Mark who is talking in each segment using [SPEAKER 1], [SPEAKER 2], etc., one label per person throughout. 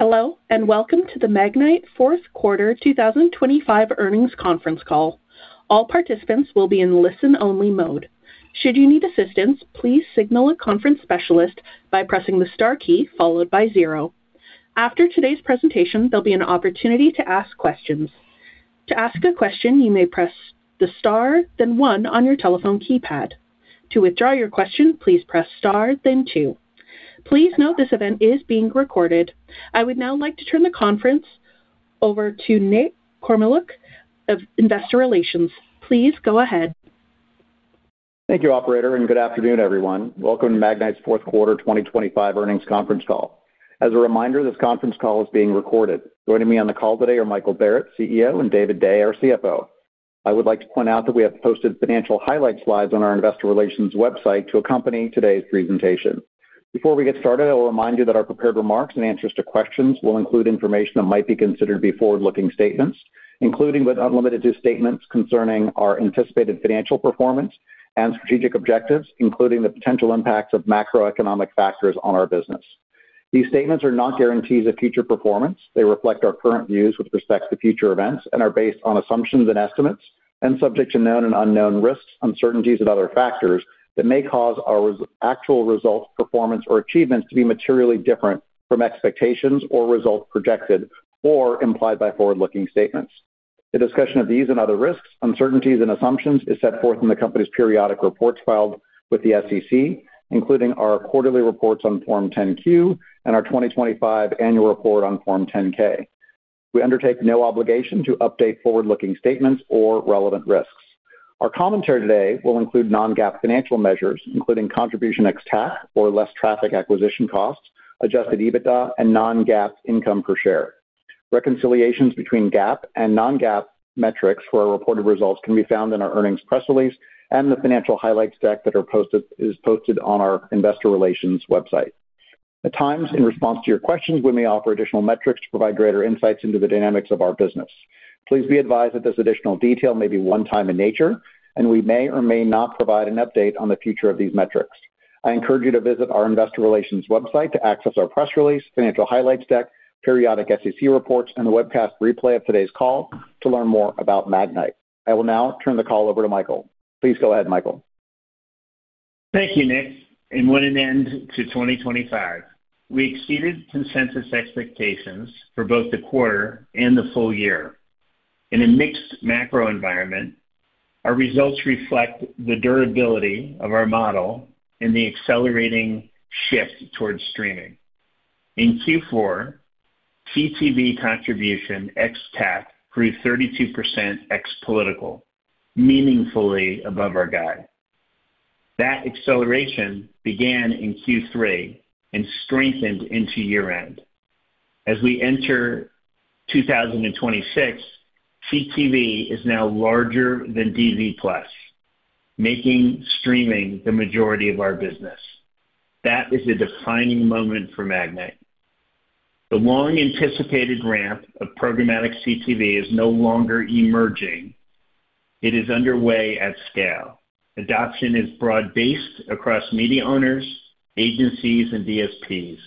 [SPEAKER 1] Hello, and welcome to the Magnite fourth quarter 2025 earnings conference call. All participants will be in listen-only mode. Should you need assistance, please signal a conference specialist by pressing the star key followed by zero. After today's presentation, there'll be an opportunity to ask questions. To ask a question, you may press the star, then one on your telephone keypad. To withdraw your question, please press star, then two. Please note, this event is being recorded. I would now like to turn the conference over to Nick Kormeluk of Investor Relations. Please go ahead.
[SPEAKER 2] Thank you, operator. Good afternoon, everyone. Welcome to Magnite's fourth quarter 2025 earnings conference call. As a reminder, this conference call is being recorded. Joining me on the call today are Michael Barrett, CEO, and David Day, our CFO. I would like to point out that we have posted financial highlight slides on our investor relations website to accompany today's presentation. Before we get started, I will remind you that our prepared remarks and answers to questions will include information that might be considered to be forward-looking statements, including but not limited to, statements concerning our anticipated financial performance and strategic objectives, including the potential impacts of macroeconomic factors on our business. These statements are not guarantees of future performance. They reflect our current views with respect to future events and are based on assumptions and estimates, subject to known and unknown risks, uncertainties, and other factors that may cause our actual results, performance, or achievements to be materially different from expectations or results projected or implied by forward-looking statements. A discussion of these and other risks, uncertainties, and assumptions is set forth in the company's periodic reports filed with the SEC, including our quarterly reports on Form 10-Q and our 2025 annual report on Form 10-K. We undertake no obligation to update forward-looking statements or relevant risks. Our commentary today will include Non-GAAP financial measures, including contribution ex-TAC or less traffic acquisition costs, Adjusted EBITDA, and Non-GAAP income per share. Reconciliations between GAAP and Non-GAAP metrics for our reported results can be found in our earnings press release and the financial highlights deck that is posted on our investor relations website. At times, in response to your questions, we may offer additional metrics to provide greater insights into the dynamics of our business. Please be advised that this additional detail may be one-time in nature, and we may or may not provide an update on the future of these metrics. I encourage you to visit our investor relations website to access our press release, financial highlights deck, periodic SEC reports, and the webcast replay of today's call to learn more about Magnite. I will now turn the call over to Michael. Please go ahead, Michael.
[SPEAKER 3] Thank you, Nick. What an end to 2025! We exceeded consensus expectations for both the quarter and the full year. In a mixed macro environment, our results reflect the durability of our model and the accelerating shift towards streaming. In Q4, CTV contribution ex-TAC grew 32% ex-political, meaningfully above our guide. That acceleration began in Q3 and strengthened into year-end. As we enter 2026, CTV is now larger than DV+, making streaming the majority of our business. That is a defining moment for Magnite. The long-anticipated ramp of programmatic CTV is no longer emerging. It is underway at scale. Adoption is broad-based across media owners, agencies, and DSPs.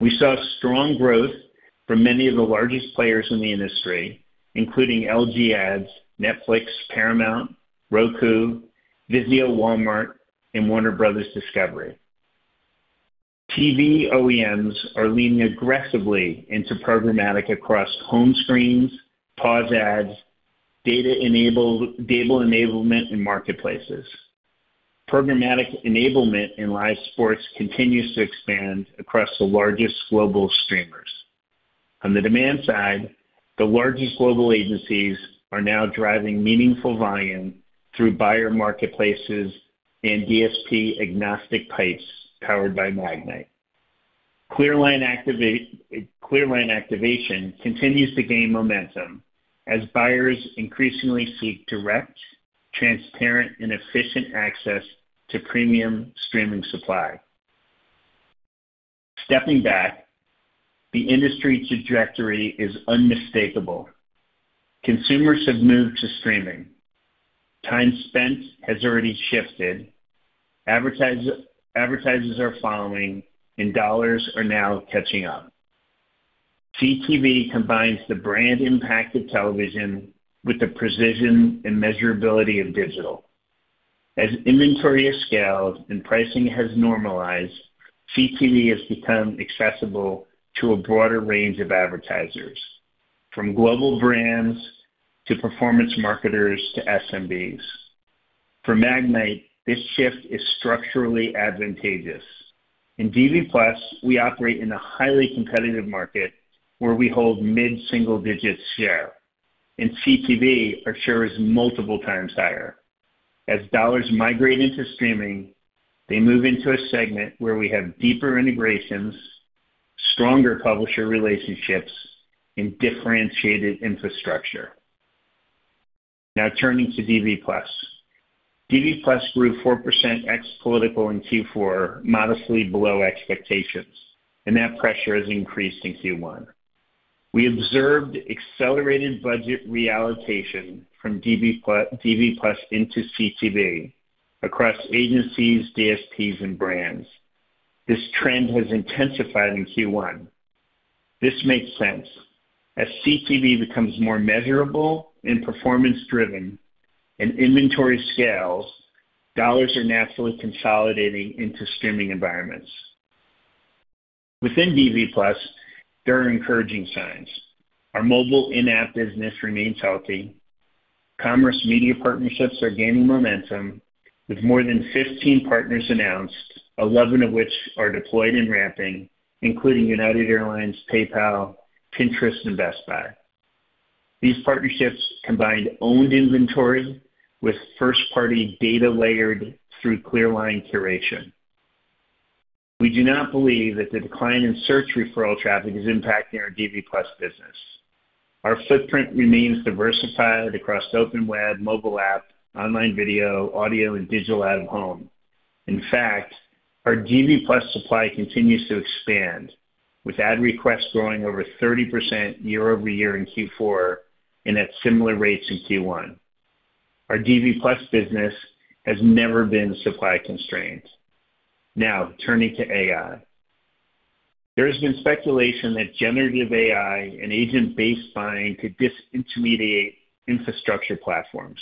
[SPEAKER 3] We saw strong growth from many of the largest players in the industry, including LG Ads, Netflix, Paramount, Roku, VIZIO, Walmart, and Warner Bros. Discovery. TV OEMs are leaning aggressively into programmatic across home screens, pause ads, data enablement, and marketplaces. Programmatic enablement in live sports continues to expand across the largest global streamers. On the demand side, the largest global agencies are now driving meaningful volume through buyer marketplaces and DSP-agnostic pipes powered by Magnite. ClearLine activation continues to gain momentum as buyers increasingly seek direct, transparent, and efficient access to premium streaming supply. Stepping back, the industry trajectory is unmistakable. Consumers have moved to streaming. Time spent has already shifted. Advertisers are following, and dollars are now catching up. CTV combines the brand impact of television with the precision and measurability of digital. As inventory has scaled and pricing has normalized, CTV has become accessible to a broader range of advertisers, from global brands to performance marketers to SMBs. For Magnite, this shift is structurally advantageous. In DV+, we operate in a highly competitive market where we hold mid-single-digit share. In CTV, our share is multiple times higher. As dollars migrate into streaming, they move into a segment where we have deeper integrations, stronger publisher relationships, and differentiated infrastructure. Turning to DV+. DV+ grew 4% ex-political in Q4, modestly below expectations. That pressure has increased in Q1. We observed accelerated budget reallocation from DV+ into CTV across agencies, DSPs, and brands. This trend has intensified in Q1. This makes sense. As CTV becomes more measurable and performance-driven and inventory scales, dollars are naturally consolidating into streaming environments. Within DV+, there are encouraging signs. Our mobile in-app business remains healthy. Commerce media partnerships are gaining momentum, with more than 15 partners announced, 11 of which are deployed and ramping, including United Airlines, PayPal, Pinterest, and Best Buy. These partnerships combined owned inventory with first-party data layered through ClearLine curation. We do not believe that the decline in search referral traffic is impacting our DV+ business. Our footprint remains diversified across open web, mobile app, online video, audio, and digital out-of-home. In fact, our DV+ supply continues to expand, with ad requests growing over 30% year-over-year in Q4 and at similar rates in Q1. Our DV+ business has never been supply constrained. Turning to AI. There has been speculation that generative AI and agent-based buying could disintermediate infrastructure platforms.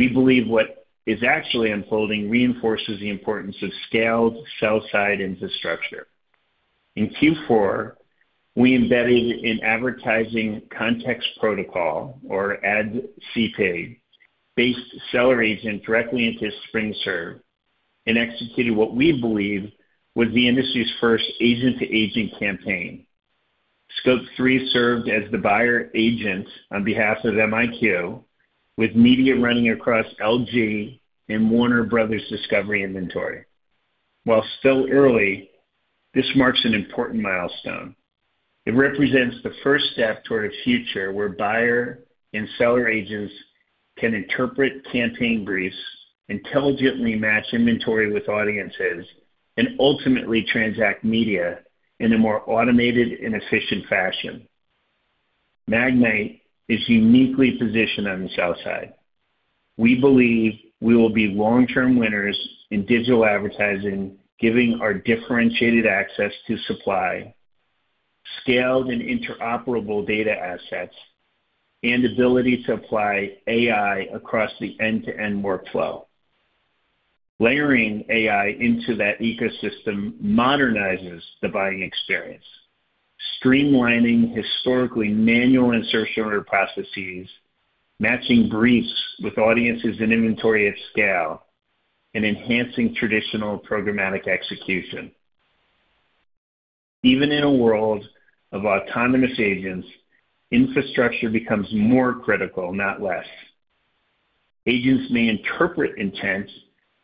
[SPEAKER 3] We believe what is actually unfolding reinforces the importance of scaled sell-side infrastructure. In Q4, we embedded an Advertising Context Protocol, or AdCP, based seller agent directly into SpringServe and executed what we believe was the industry's first agent-to-agent campaign. Scope 3 served as the buyer agent on behalf of MiQ, with media running across LG and Warner Bros. Discovery inventory. While still early, this marks an important milestone. It represents the first step toward a future where buyer and seller agents can interpret campaign briefs, intelligently match inventory with audiences, and ultimately transact media in a more automated and efficient fashion. Magnite is uniquely positioned on the sell side. We believe we will be long-term winners in digital advertising, giving our differentiated access to supply, scaled and interoperable data assets, and ability to apply AI across the end-to-end workflow. Layering AI into that ecosystem modernizes the buying experience, streamlining historically manual insertion order processes, matching briefs with audiences and inventory at scale, and enhancing traditional programmatic execution. Even in a world of autonomous agents, infrastructure becomes more critical, not less. Agents may interpret intent,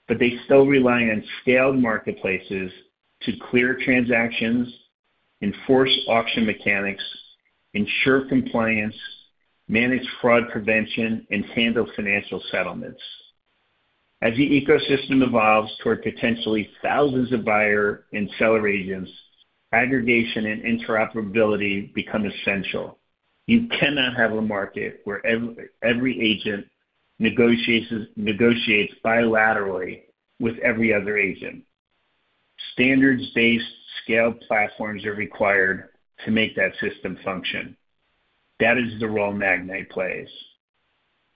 [SPEAKER 3] but they still rely on scaled marketplaces to clear transactions, enforce auction mechanics, ensure compliance, manage fraud prevention, and handle financial settlements. As the ecosystem evolves toward potentially thousands of buyer and seller agents, aggregation and interoperability become essential. You cannot have a market where every agent negotiates bilaterally with every other agent. Standards-based scaled platforms are required to make that system function. That is the role Magnite plays.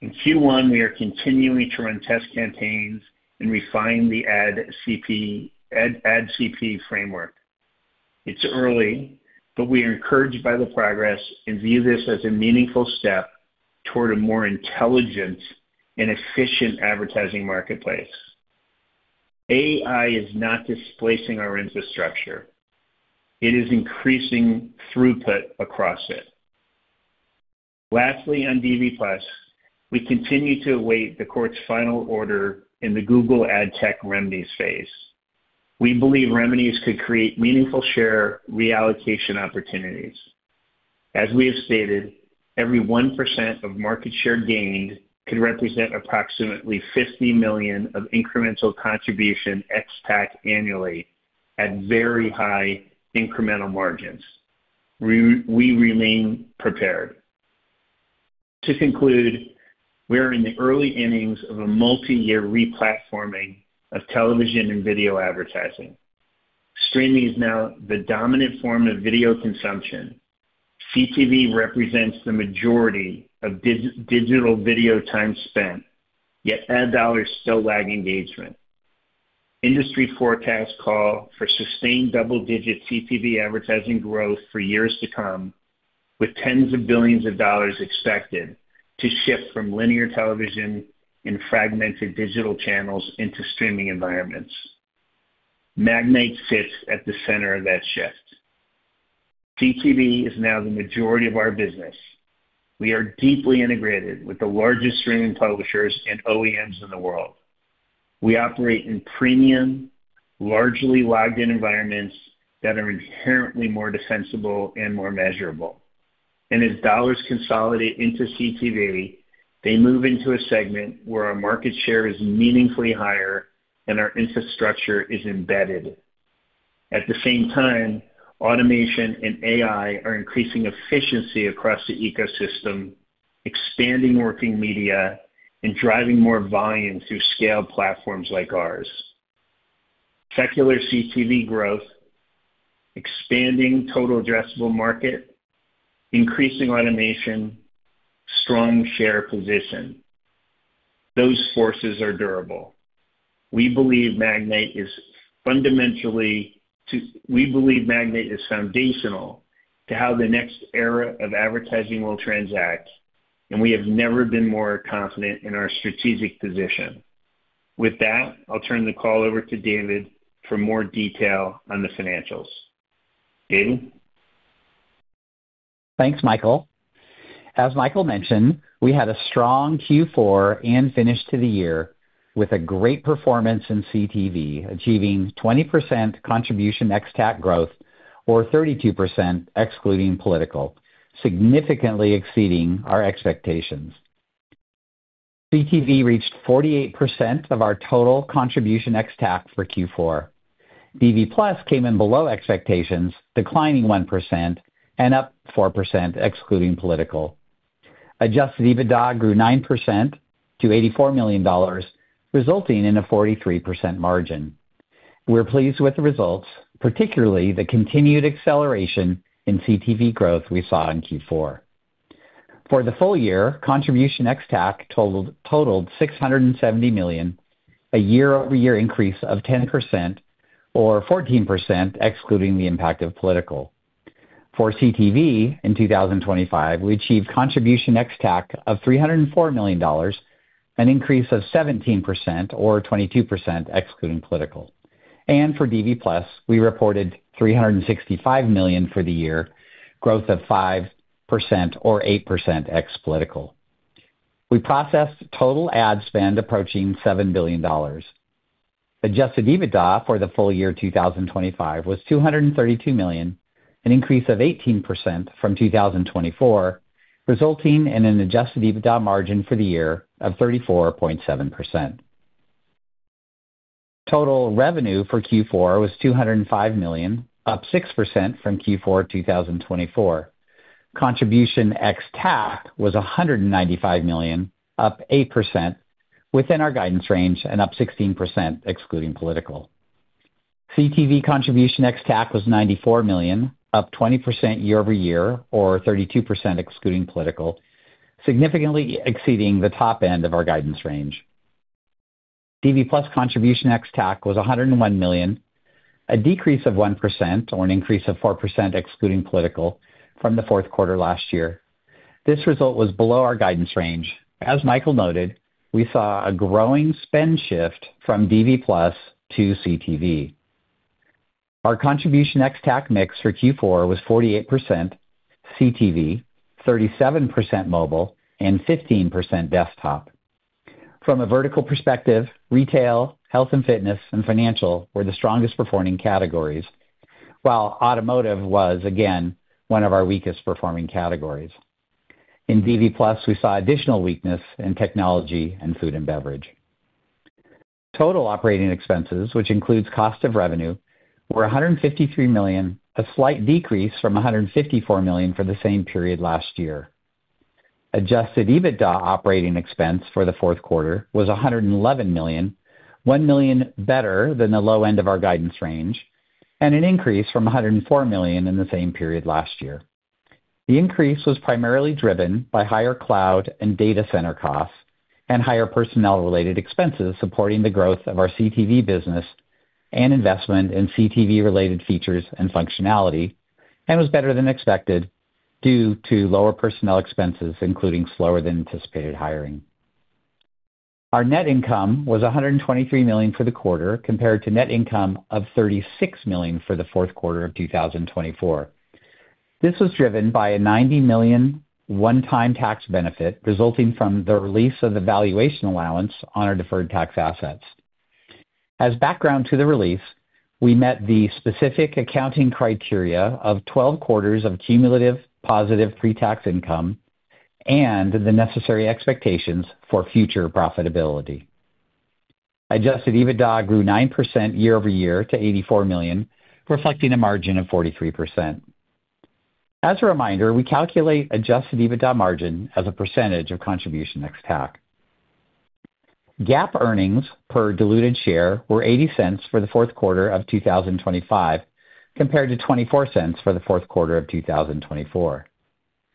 [SPEAKER 3] In Q1, we are continuing to run test campaigns and refine the AdCP framework. It's early, but we are encouraged by the progress and view this as a meaningful step toward a more intelligent and efficient advertising marketplace. AI is not displacing our infrastructure. It is increasing throughput across it. Lastly, on DV+, we continue to await the court's final order in the Google Ad Tech remedies phase. We believe remedies could create meaningful share reallocation opportunities. As we have stated, every 1% of market share gained could represent approximately $50 million of incremental contribution ex-TAC annually at very high incremental margins. We remain prepared. To conclude, we are in the early innings of a multiyear replatforming of television and video advertising. Streaming is now the dominant form of video consumption. CTV represents the majority of digital video time spent, yet ad dollars still lag engagement. Industry forecasts call for sustained double-digit CTV advertising growth for years to come, with tens of billions of dollars expected to shift from linear television and fragmented digital channels into streaming environments. Magnite sits at the center of that shift. CTV is now the majority of our business. We are deeply integrated with the largest streaming publishers and OEMs in the world. We operate in premium, largely logged-in environments that are inherently more defensible and more measurable. As dollars consolidate into CTV, they move into a segment where our market share is meaningfully higher and our infrastructure is embedded. At the same time, automation and AI are increasing efficiency across the ecosystem, expanding working media, and driving more volume through scale platforms like ours. Secular CTV growth, expanding total addressable market, increasing automation, strong share position. Those forces are durable. We believe Magnite is foundational to how the next era of advertising will transact, and we have never been more confident in our strategic position. With that, I'll turn the call over to David for more detail on the financials. David?
[SPEAKER 4] Thanks, Michael. As Michael mentioned, we had a strong Q4 and finish to the year with a great performance in CTV, achieving 20% contribution ex-TAC growth, or 32% excluding political, significantly exceeding our expectations. CTV reached 48% of our total contribution ex-TAC for Q4. DV+ came in below expectations, declining 1% and up 4% excluding political. Adjusted EBITDA grew 9% to $84 million, resulting in a 43% margin. We're pleased with the results, particularly the continued acceleration in CTV growth we saw in Q4. For the full year, contribution ex-TAC totaled $670 million, a year-over-year increase of 10% or 14%, excluding the impact of political. For CTV in 2025, we achieved contribution ex-TAC of $304 million, an increase of 17% or 22% excluding political. For DV+, we reported $365 million for the year, growth of 5% or 8% ex-political. We processed total ad spend approaching $7 billion. Adjusted EBITDA for the full year 2025 was $232 million, an increase of 18% from 2024, resulting in an Adjusted EBITDA margin for the year of 34.7%. Total revenue for Q4 was $205 million, up 6% from Q4 2024. Contribution ex-TAC was $195 million, up 8% within our guidance range and up 16% excluding political. CTV contribution ex-TAC was $94 million, up 20% year-over-year or 32% excluding political, significantly exceeding the top end of our guidance range. DV+ contribution ex-TAC was $101 million, a decrease of 1% or an increase of 4% excluding political from the fourth quarter last year. This result was below our guidance range. As Michael noted, we saw a growing spend shift from DV+ to CTV. Our contribution ex-TAC mix for Q4 was 48% CTV, 37% mobile, and 15% desktop. From a vertical perspective, retail, health and fitness, and financial were the strongest performing categories, while automotive was again, one of our weakest performing categories. In DV+, we saw additional weakness in technology and food and beverage. Total operating expenses, which includes cost of revenue, were $153 million, a slight decrease from $154 million for the same period last year. Adjusted EBITDA operating expense for the fourth quarter was $111 million, $1 million better than the low end of our guidance range, and an increase from $104 million in the same period last year. The increase was primarily driven by higher cloud and data center costs and higher personnel-related expenses, supporting the growth of our CTV business and investment in CTV-related features and functionality, and was better than expected due to lower personnel expenses, including slower than anticipated hiring. Our net income was $123 million for the quarter, compared to net income of $36 million for the fourth quarter of 2024. This was driven by a $90 million one-time tax benefit resulting from the release of the valuation allowance on our deferred tax assets. As background to the release, we met the specific accounting criteria of 12 quarters of cumulative positive pre-tax income and the necessary expectations for future profitability. Adjusted EBITDA grew 9% year-over-year to $84 million, reflecting a margin of 43%. As a reminder, we calculate Adjusted EBITDA margin as a percentage of contribution ex-TAC. GAAP earnings per diluted share were $0.80 for the fourth quarter of 2025, compared to $0.24 for the fourth quarter of 2024.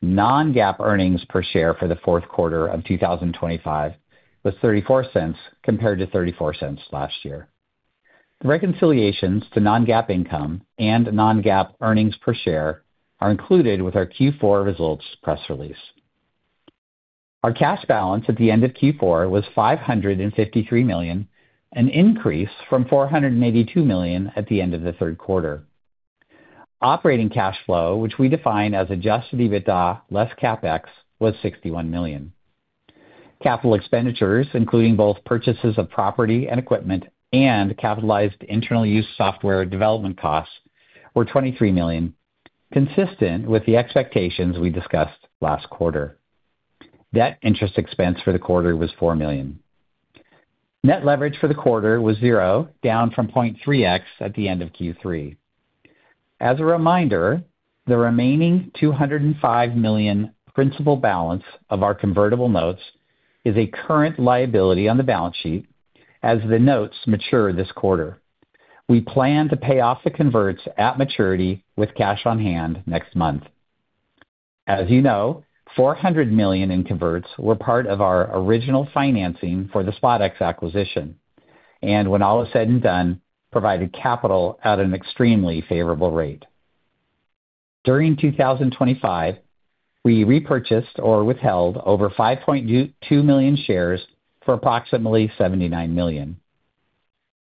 [SPEAKER 4] Non-GAAP earnings per share for the fourth quarter of 2025 was $0.34, compared to $0.34 last year. The reconciliations to Non-GAAP income and Non-GAAP earnings per share are included with our Q4 results press release. Our cash balance at the end of Q4 was $553 million, an increase from $482 million at the end of the third quarter. Operating cash flow, which we define as Adjusted EBITDA less CapEx, was $61 million. Capital expenditures, including both purchases of property and equipment and capitalized internal use software development costs, were $23 million, consistent with the expectations we discussed last quarter. Debt interest expense for the quarter was $4 million. Net leverage for the quarter was zero, down from 0.3x at the end of Q3. As a reminder, the remaining $205 million principal balance of our convertible notes is a current liability on the balance sheet as the notes mature this quarter. We plan to pay off the converts at maturity with cash on hand next month. As you know, $400 million in converts were part of our original financing for the SpotX acquisition, and when all is said and done, provided capital at an extremely favorable rate. During 2025, we repurchased or withheld over 5.2 million shares for approximately $79 million.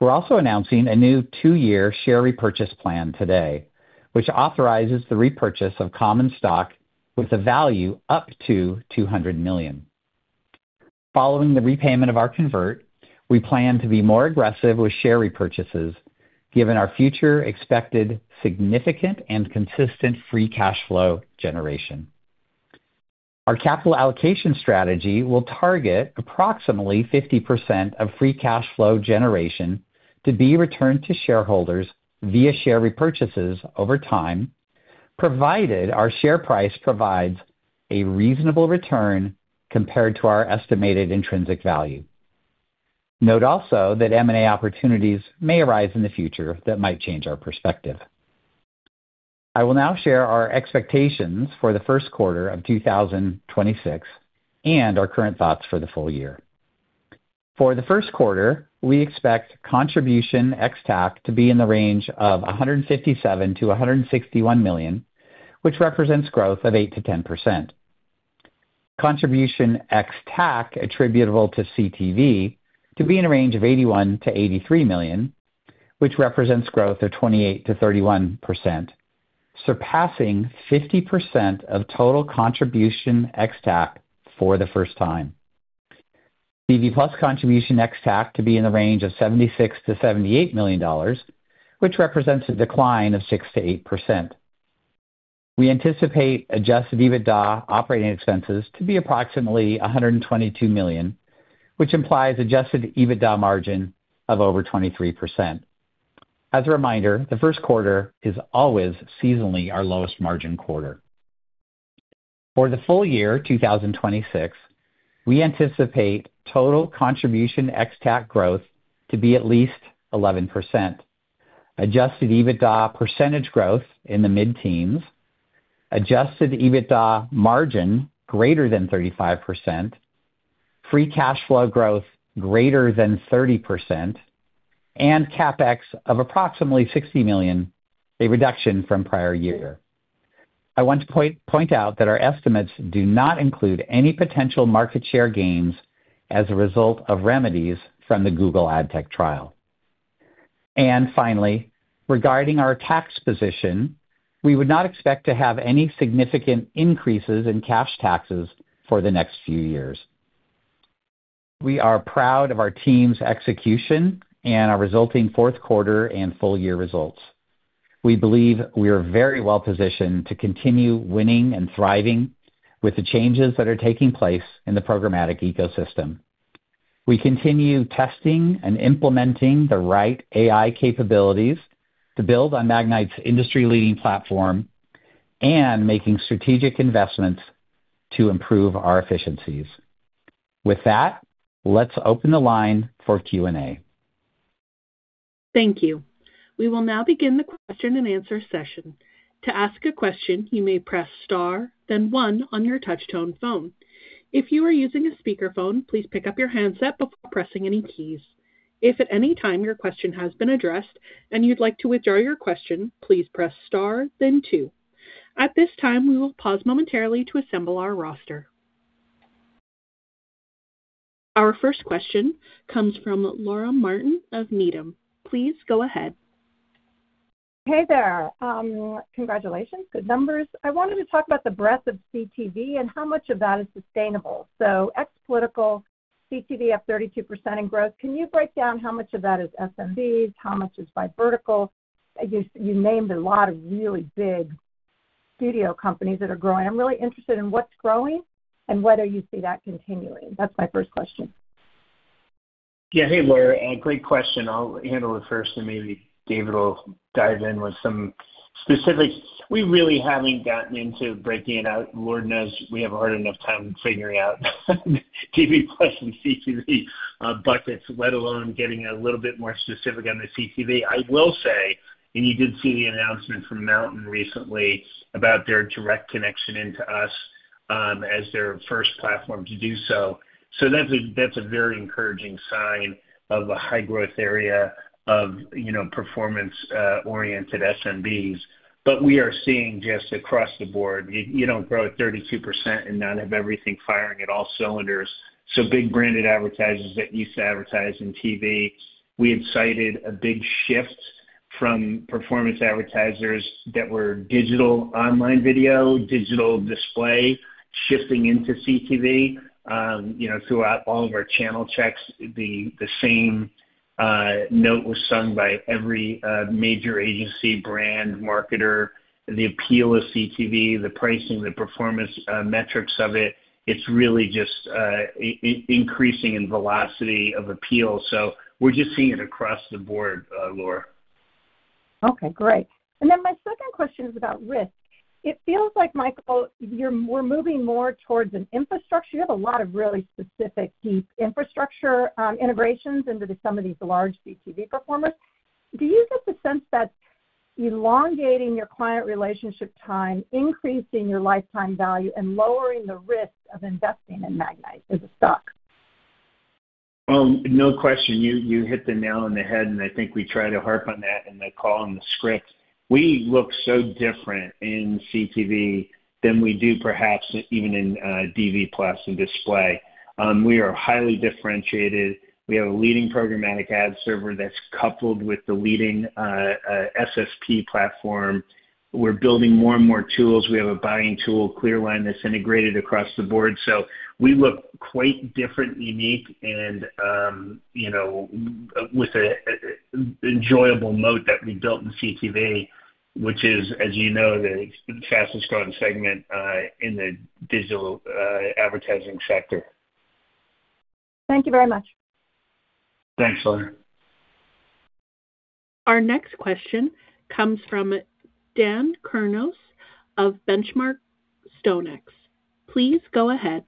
[SPEAKER 4] We're also announcing a new two-year share repurchase plan today, which authorizes the repurchase of common stock with a value up to $200 million. Following the repayment of our convert, we plan to be more aggressive with share repurchases, given our future expected significant and consistent free cash flow generation. Our capital allocation strategy will target approximately 50% of free cash flow generation to be returned to shareholders via share repurchases over time, provided our share price provides a reasonable return compared to our estimated intrinsic value. Note also that M&A opportunities may arise in the future that might change our perspective. I will now share our expectations for the first quarter of 2026 and our current thoughts for the full year. For the first quarter, we expect Contribution ex-TAC to be in the range of $157 million-$161 million, which represents growth of 8%-10%. Contribution ex-TAC attributable to CTV to be in a range of $81 million-$83 million, which represents growth of 28%-31%, surpassing 50% of total Contribution ex-TAC for the first time. TV+ Contribution ex-TAC to be in the range of $76 million-$78 million, which represents a decline of 6%-8%. We anticipate Adjusted EBITDA operating expenses to be approximately $122 million, which implies Adjusted EBITDA margin of over 23%. As a reminder, the first quarter is always seasonally our lowest margin quarter. For the full year 2026, we anticipate total contribution ex-TAC growth to be at least 11%, Adjusted EBITDA percentage growth in the mid-teens, Adjusted EBITDA margin greater than 35%, free cash flow growth greater than 30%, and CapEx of approximately $60 million, a reduction from prior year. I want to point out that our estimates do not include any potential market share gains as a result of remedies from the Google ad tech trial. Finally, regarding our tax position, we would not expect to have any significant increases in cash taxes for the next few years. We are proud of our team's execution and our resulting fourth quarter and full year results. We believe we are very well positioned to continue winning and thriving with the changes that are taking place in the programmatic ecosystem. We continue testing and implementing the right AI capabilities to build on Magnite's industry-leading platform and making strategic investments to improve our efficiencies. With that, let's open the line for Q&A.
[SPEAKER 1] Thank you. We will now begin the question-and-answer session. To ask a question, you may press star, then one on your touch-tone phone. If you are using a speakerphone, please pick up your handset before pressing any keys. If at any time your question has been addressed and you'd like to withdraw your question, please press star then two. At this time, we will pause momentarily to assemble our roster. Our first question comes from Laura Martin of Needham. Please go ahead.
[SPEAKER 5] Hey there, congratulations. Good numbers. I wanted to talk about the breadth of CTV and how much of that is sustainable. Ex-political, CTV up 32% in growth. Can you break down how much of that is SMBs? How much is by vertical? You named a lot of really big studio companies that are growing. I'm really interested in what's growing and whether you see that continuing. That's my first question.
[SPEAKER 3] Yeah, hey, Laura, great question. I'll handle it first, and maybe David will dive in with some specifics. We really haven't gotten into breaking it out. Lord knows we have a hard enough time figuring out TV plus and CTV, buckets, let alone getting a little bit more specific on the CTV. I will say, and you did see the announcement from MNTN recently about their direct connection into us, as their first platform to do so. That's a, that's a very encouraging sign of a high-growth area of, you know, performance, oriented SMBs. We are seeing just across the board, you don't grow at 32% and not have everything firing at all cylinders. Big branded advertisers that used to advertise in TV, we have cited a big shift- from performance advertisers that were digital online video, digital display, shifting into CTV. you know, throughout all of our channel checks, the same note was sung by every major agency brand marketer. The appeal of CTV, the pricing, the performance metrics of it's really just increasing in velocity of appeal. We're just seeing it across the board, Laura.
[SPEAKER 5] Okay, great. My second question is about risk. It feels like, Michael, we're moving more towards an infrastructure. You have a lot of really specific, deep infrastructure, integrations into some of these large CTV performers. Do you get the sense that elongating your client relationship time, increasing your lifetime value, and lowering the risk of investing in Magnite as a stock?
[SPEAKER 3] No question. You hit the nail on the head, and I think we try to harp on that in the call and the script. We look so different in CTV than we do, perhaps even in DV+ and display. We are highly differentiated. We have a leading programmatic ad server that's coupled with the leading SSP platform. We're building more and more tools. We have a buying tool, ClearLine, that's integrated across the board. We look quite different, unique, and, you know, with a enjoyable mode that we built in CTV, which is, as you know, the fastest growing segment in the digital advertising sector.
[SPEAKER 5] Thank you very much.
[SPEAKER 3] Thanks, Laura.
[SPEAKER 1] Our next question comes from Dan Kurnos of The Benchmark Company. Please go ahead.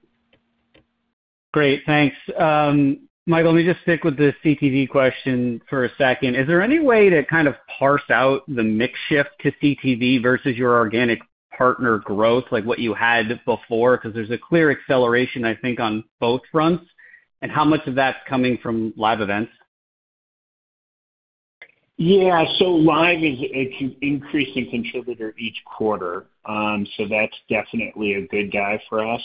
[SPEAKER 6] Great, thanks. Michael, let me just stick with the CTV question for a second. Is there any way to kind of parse out the mix shift to CTV versus your organic partner growth, like what you had before? Because there's a clear acceleration, I think, on both fronts, and how much of that's coming from live events?
[SPEAKER 3] Yeah. Live is, it's an increasing contributor each quarter. That's definitely a good guy for us.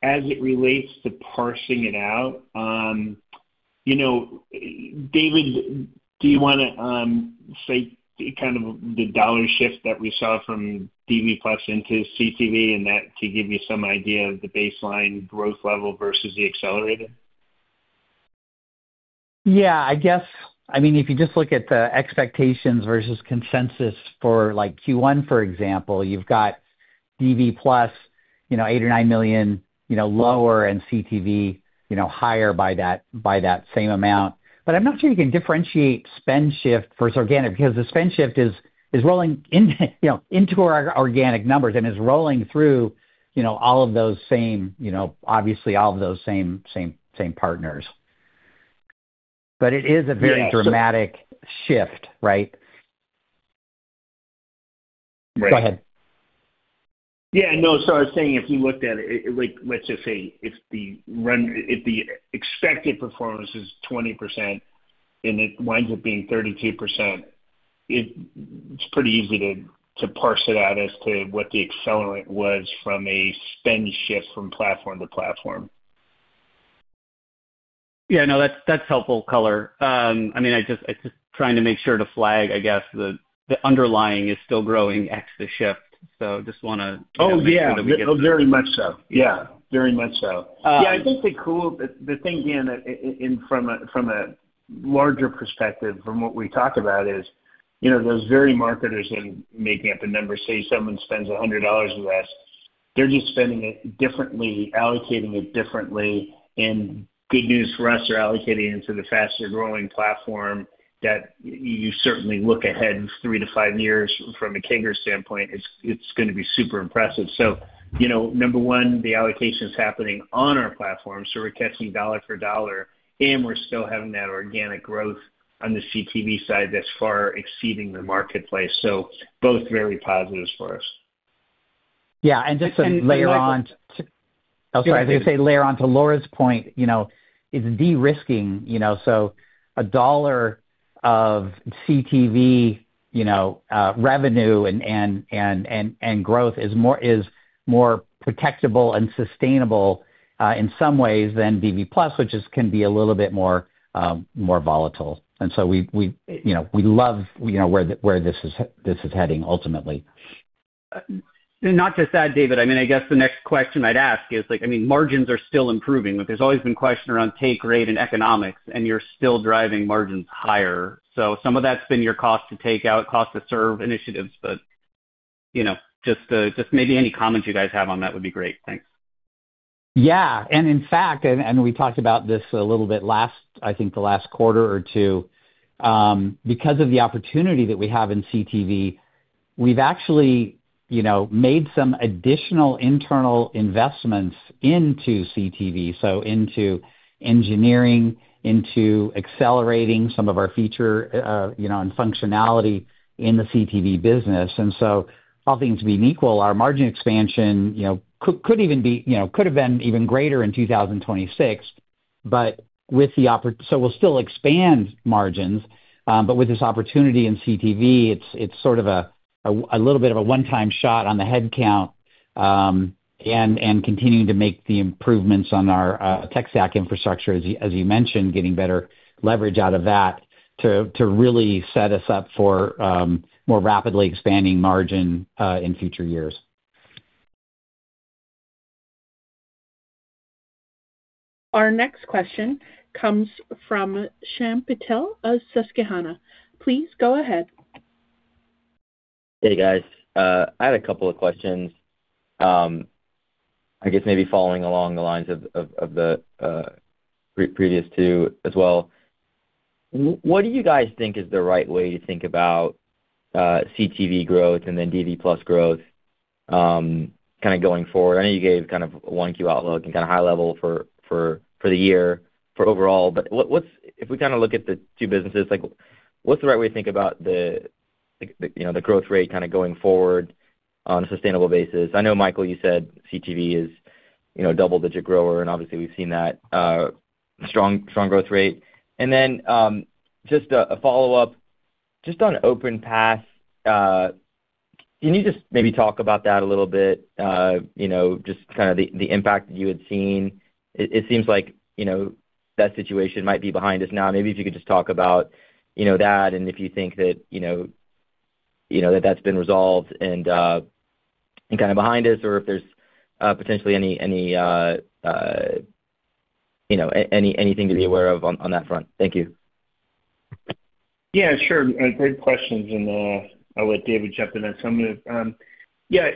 [SPEAKER 3] As it relates to parsing it out, you know, David, do you wanna say kind of the dollar shift that we saw from DV+ into CTV and that to give you some idea of the baseline growth level versus the accelerated?
[SPEAKER 4] I guess, I mean, if you just look at the expectations versus consensus for, like, Q1, for example, you've got DV+, you know, $8 million-$9 million, you know, lower, and CTV, you know, higher by that, by that same amount. I'm not sure you can differentiate spend shift versus organic, because the spend shift is rolling into, you know, into our organic numbers and is rolling through, you know, all of those same, you know, obviously all of those same partners. It is a very dramatic shift, right?
[SPEAKER 3] Right.
[SPEAKER 4] Go ahead.
[SPEAKER 3] Yeah, no, I was saying if you looked at it, like, let's just say if the expected performance is 20% and it winds up being 32%, it's pretty easy to parse it out as to what the accelerant was from a spend shift from platform to platform.
[SPEAKER 6] No, that's helpful color. I mean, I'm just trying to make sure to flag, I guess, the underlying is still growing ex the shift, so just wanna.
[SPEAKER 3] Oh, yeah.
[SPEAKER 6] Make sure that we-
[SPEAKER 3] Very much so. Yeah, very much so.
[SPEAKER 4] Yeah, I think the cool-
[SPEAKER 3] The thing, Dan, in from a larger perspective from what we talk about is, you know, those very marketers and making up a number, say someone spends $100 with us, they're just spending it differently, allocating it differently, and good news for us, they're allocating it to the faster-growing platform that you certainly look ahead three to five years from a CAGR standpoint, it's gonna be super impressive. You know, number one, the allocation is happening on our platform, so we're catching dollar for dollar, and we're still having that organic growth on the CTV side that's far exceeding the marketplace. Both very positives for us.
[SPEAKER 4] Yeah, just to layer on-
[SPEAKER 6] And Michael-
[SPEAKER 4] Oh, sorry. I was gonna say layer on to Laura's point, you know, is de-risking, you know, so $1 of CTV, you know, revenue and growth is more protectable and sustainable in some ways than DV+, which can be a little bit more volatile. We, you know, we love, you know, where this is heading ultimately.
[SPEAKER 6] Not just that, David. I mean, I guess the next question I'd ask is like, I mean, margins are still improving, but there's always been question around take rate and economics, and you're still driving margins higher. Some of that's been your cost to take out, cost to serve initiatives, but, you know, just maybe any comments you guys have on that would be great. Thanks.
[SPEAKER 4] Yeah, in fact, we talked about this a little bit last, I think the last quarter or two, because of the opportunity that we have in CTV, we've actually, you know, made some additional internal investments into CTV, so into engineering, into accelerating some of our feature, you know, and functionality in the CTV business. All things being equal, our margin expansion, you know, could even be, you know, could have been even greater in 2026, with the opportunity. We'll still expand margins, but with this opportunity in CTV, it's sort of a- A little bit of a one-time shot on the headcount, and continuing to make the improvements on our tech stack infrastructure, as you mentioned, getting better leverage out of that to really set us up for more rapidly expanding margin in future years.
[SPEAKER 1] Our next question comes from Shyam Patil of Susquehanna. Please go ahead.
[SPEAKER 7] Hey, guys. I had a couple of questions. I guess maybe following along the lines of the previous two as well. What do you guys think is the right way to think about CTV growth and then DV+ growth kind of going forward? I know you gave kind of 1Q outlook and kind of high level for the year for overall, but what's if we kind of look at the two businesses, like, what's the right way to think about the, like, you know, the growth rate kind of going forward on a sustainable basis? I know, Michael, you said CTV is, you know, a double-digit grower, and obviously, we've seen that strong growth rate. Just a follow-up, just on Open Path, can you just maybe talk about that a little bit? You know, just kind of the impact you had seen. It, it seems like, you know, that situation might be behind us now. Maybe if you could just talk about, you know, that, and if you think that, you know, that's been resolved and kind of behind us, or if there's, potentially any, anything to be aware of on that front. Thank you.
[SPEAKER 3] Yeah, sure. Great questions, I'll let David jump in on some of it. Yeah,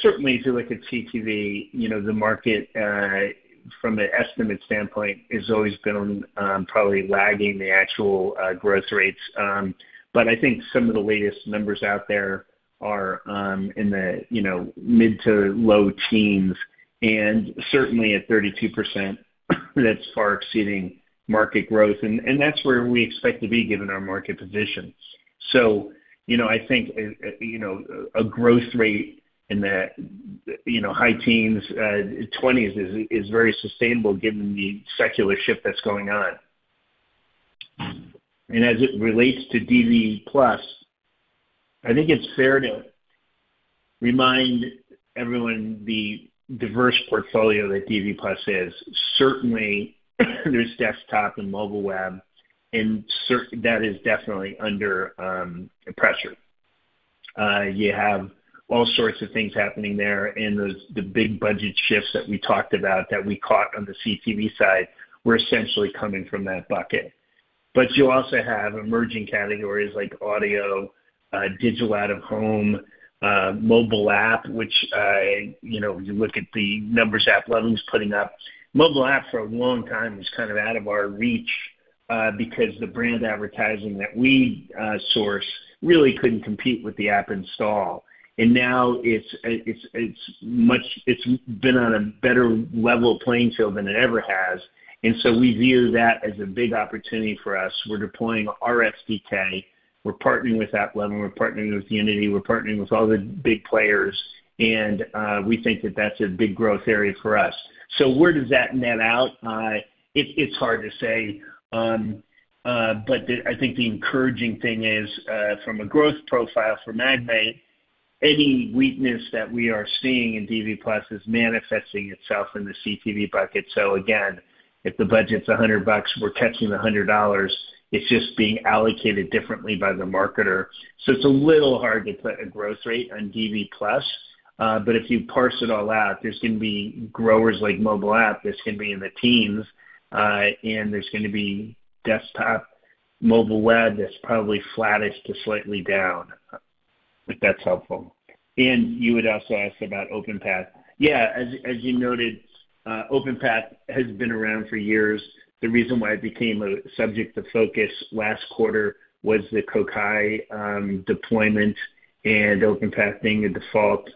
[SPEAKER 3] certainly, if you look at CTV, you know, the market from an estimate standpoint, has always been on, probably lagging the actual growth rates. I think some of the latest numbers out there are in the, you know, mid to low teens, certainly at 32%, that's far exceeding market growth. That's where we expect to be given our market position. You know, I think, you know, a growth rate in the, you know, high teens, 20s is very sustainable given the secular shift that's going on. As it relates to DV+, I think it's fair to remind everyone the diverse portfolio that DV+ is. Certainly, there's desktop and mobile web, and that is definitely under pressure. You have all sorts of things happening there, and the big budget shifts that we talked about that we caught on the CTV side were essentially coming from that bucket. You also have emerging categories like audio, digital out-of-home, mobile app, which, you know, you look at the numbers AppLovin's putting up. Mobile app for a long time was kind of out of our reach, because the brand advertising that we source really couldn't compete with the app install. Now it's been on a better level playing field than it ever has, so we view that as a big opportunity for us. We're deploying our SDK, we're partnering with AppLovin, we're partnering with Unity, we're partnering with all the big players, and we think that that's a big growth area for us. Where does that net out? It's hard to say. But I think the encouraging thing is from a growth profile for Magnite, any weakness that we are seeing in DV+ is manifesting itself in the CTV bucket. Again, if the budget's $100, we're catching the $100. It's just being allocated differently by the marketer. It's a little hard to put a growth rate on DV+, but if you parse it all out, there's going to be growers like mobile app, that's going to be in the teens, and there's going to be desktop, mobile web, that's probably flattish to slightly down, if that's helpful. You had also asked about Open Path. As you noted, Open Path has been around for years. The reason why it became a subject of focus last quarter was the Koa deployment and Open Path being a default.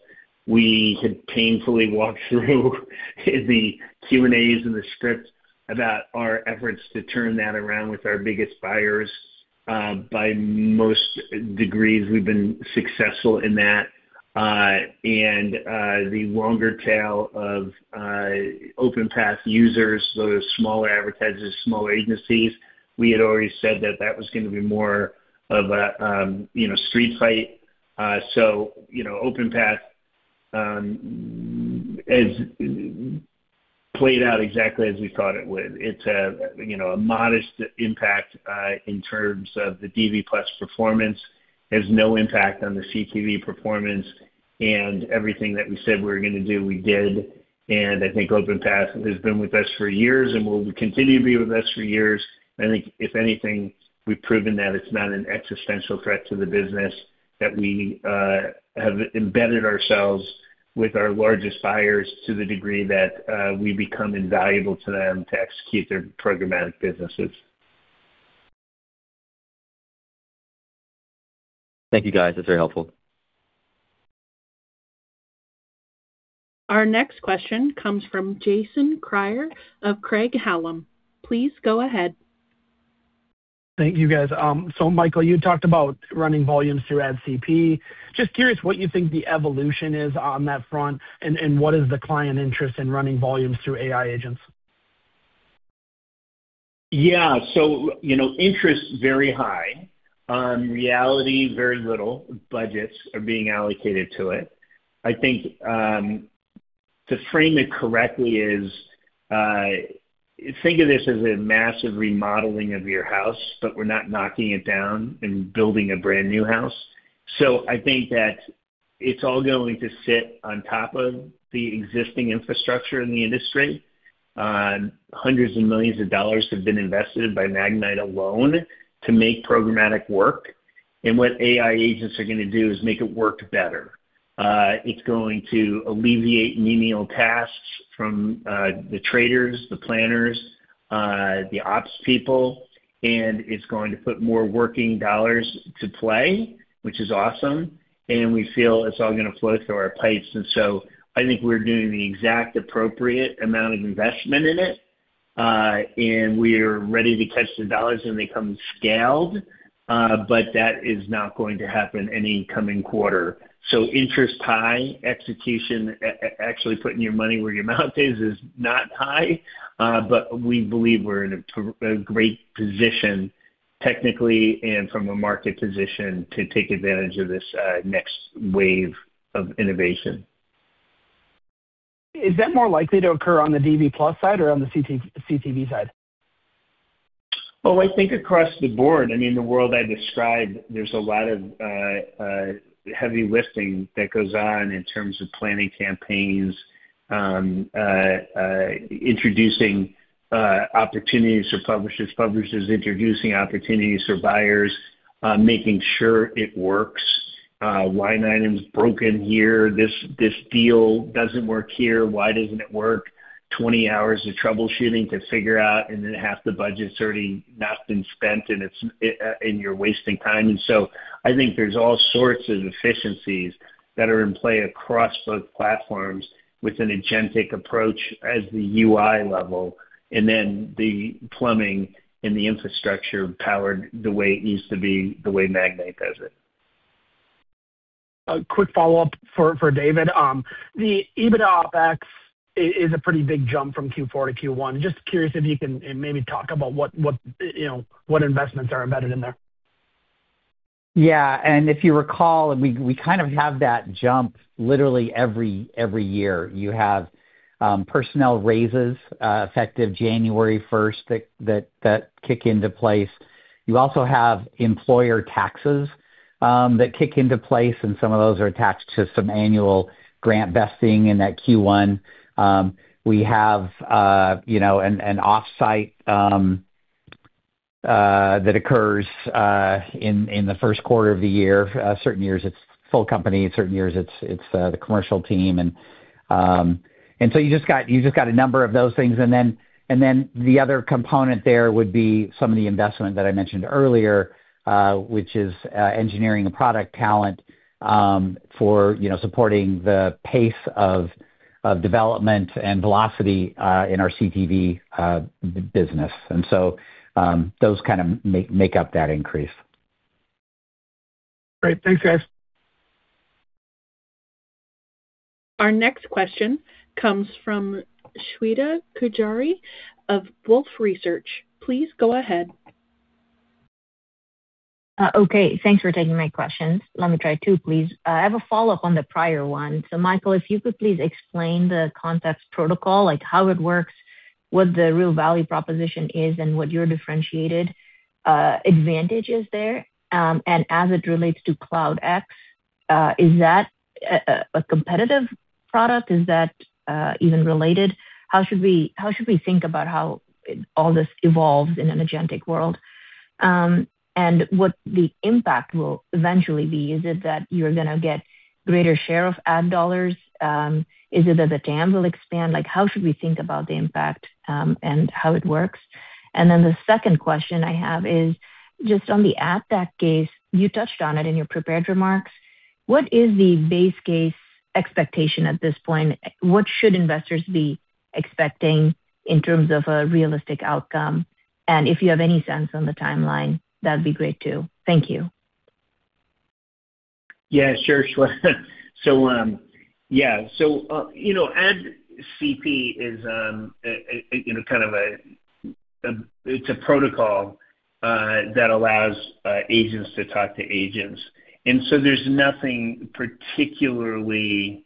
[SPEAKER 3] We had painfully walked through the Q&As and the script about our efforts to turn that around with our biggest buyers. By most degrees, we've been successful in that. The longer tail of Open Path users, those smaller advertisers, smaller agencies, we had already said that that was going to be more of a, you know, street fight. You know, Open Path has played out exactly as we thought it would. It's a, you know, a modest impact in terms of the DV+ performance. There's no impact on the CTV performance, and everything that we said we were gonna do, we did. I think Open Path has been with us for years and will continue to be with us for years. I think if anything, we've proven that it's not an existential threat to the business, that we have embedded ourselves with our largest buyers to the degree that we become invaluable to them to execute their programmatic businesses.
[SPEAKER 7] Thank you, guys. That's very helpful.
[SPEAKER 1] Our next question comes from Jason Kreyer of Craig-Hallum. Please go ahead.
[SPEAKER 8] Thank you, guys. Michael, you talked about running volumes through AdCP. Just curious what you think the evolution is on that front, and what is the client interest in running volumes through AI agents?
[SPEAKER 3] Yeah, you know, interest very high. Reality, very little budgets are being allocated to it. I think, to frame it correctly is, think of this as a massive remodeling of your house, we're not knocking it down and building a brand new house. I think that it's all going to sit on top of the existing infrastructure in the industry. Hundreds of millions of dollars have been invested by Magnite alone to make programmatic work, and what AI agents are going to do is make it work better. It's going to alleviate menial tasks from the traders, the planners, the ops people, and it's going to put more working dollars to play, which is awesome, and we feel it's all going to flow through our pipes. I think we're doing the exact appropriate amount of investment in it, and we're ready to catch the dollars when they come scaled, but that is not going to happen any coming quarter. Interest high, execution, actually putting your money where your mouth is not high, but we believe we're in a great position, technically and from a market position, to take advantage of this, next wave of innovation.
[SPEAKER 8] Is that more likely to occur on the DV+ side or on the CTV side?
[SPEAKER 3] Well, I think across the board, I mean, the world I describe, there's a lot of heavy lifting that goes on in terms of planning campaigns, introducing opportunities for publishers introducing opportunities for buyers, making sure it works. Why 9 is broken here? This deal doesn't work here. Why doesn't it work? 20 hours of troubleshooting to figure out, and then half the budget's already not been spent, and it's and you're wasting time. I think there's all sorts of efficiencies that are in play across both platforms with an agentic approach as the UI level, and then the plumbing and the infrastructure powered the way it needs to be, the way Magnite does it.
[SPEAKER 8] A quick follow-up for David. The EBITDA OpEx is a pretty big jump from Q4-Q1. Just curious if you can, maybe talk about what investments are embedded in there?
[SPEAKER 4] Yeah, if you recall, we kind of have that jump literally every year. You have personnel raises effective January 1st that kick into place. You also have employer taxes that kick into place, and some of those are attached to some annual grant vesting in that Q1. We have, you know, an offsite that occurs in the first quarter of the year. Certain years, it's full company, certain years, it's the commercial team. So you just got a number of those things, and then the other component there would be some of the investment that I mentioned earlier, which is engineering and product talent for, you know, supporting the pace of development and velocity in our CTV business. Those kind of make up that increase.
[SPEAKER 8] Great. Thanks, guys.
[SPEAKER 1] Our next question comes from Shweta Khajuria of Wolfe Research. Please go ahead.
[SPEAKER 9] Okay. Thanks for taking my questions. Let me try two, please. I have a follow-up on the prior one. Michael, if you could please explain the Context Protocol, like how it works, what the real value proposition is, and what your differentiated advantage is there. As it relates to Cloud X, is that a competitive product? Is that even related? How should we, how should we think about how all this evolves in an agentic world, and what the impact will eventually be? Is it that you're gonna get greater share of ad dollars? Is it that the dam will expand? Like, how should we think about the impact, and how it works? Then the second question I have is, just on the App Stack case, you touched on it in your prepared remarks. What is the base case expectation at this point? What should investors be expecting in terms of a realistic outcome? If you have any sense on the timeline, that'd be great, too. Thank you.
[SPEAKER 3] Yeah, sure, Shweta. Yeah. You know, AdCP is, you know, it's a protocol that allows agents to talk to agents. There's nothing particularly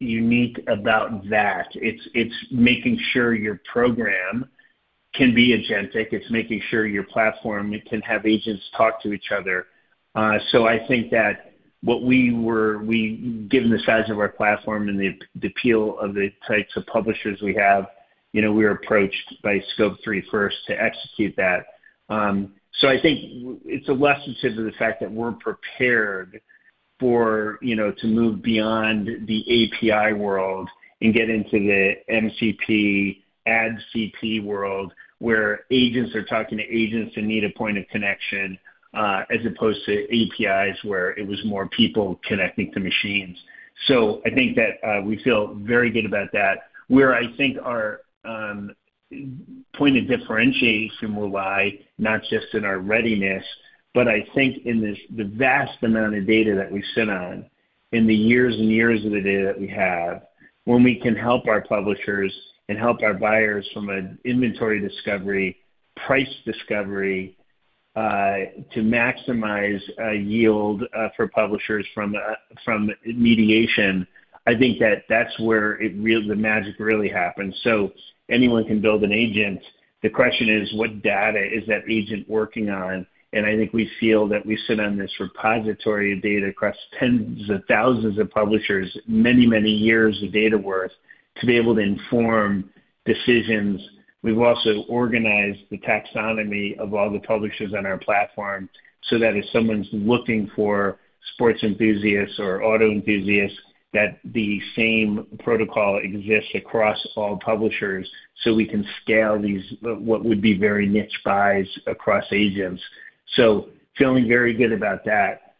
[SPEAKER 3] unique about that. It's making sure your program can be agentic. It's making sure your platform can have agents talk to each other. I think that we, given the size of our platform and the appeal of the types of publishers we have, you know, we were approached by Scope 3 first to execute that. I think it's a less sensitive to the fact that we're prepared for, you know, to move beyond the API world and get into the MCP, AdCP world, where agents are talking to agents and need a point of connection, as opposed to APIs, where it was more people connecting to machines. I think that, we feel very good about that. Where I think our point of differentiation will lie, not just in our readiness, but I think in this, the vast amount of data that we sit on, in the years and years of the data that we have, when we can help our publishers and help our buyers from an inventory discovery, price discovery, to maximize yield for publishers from mediation, I think that that's where the magic really happens. Anyone can build an agent. The question is: What data is that agent working on? I think we feel that we sit on this repository of data across tens of thousands of publishers, many, many years of data worth, to be able to inform decisions. We've also organized the taxonomy of all the publishers on our platform, so that if someone's looking for sports enthusiasts or auto enthusiasts, that the same protocol exists across all publishers, so we can scale these, what would be very niche buys across agents. Feeling very good about that.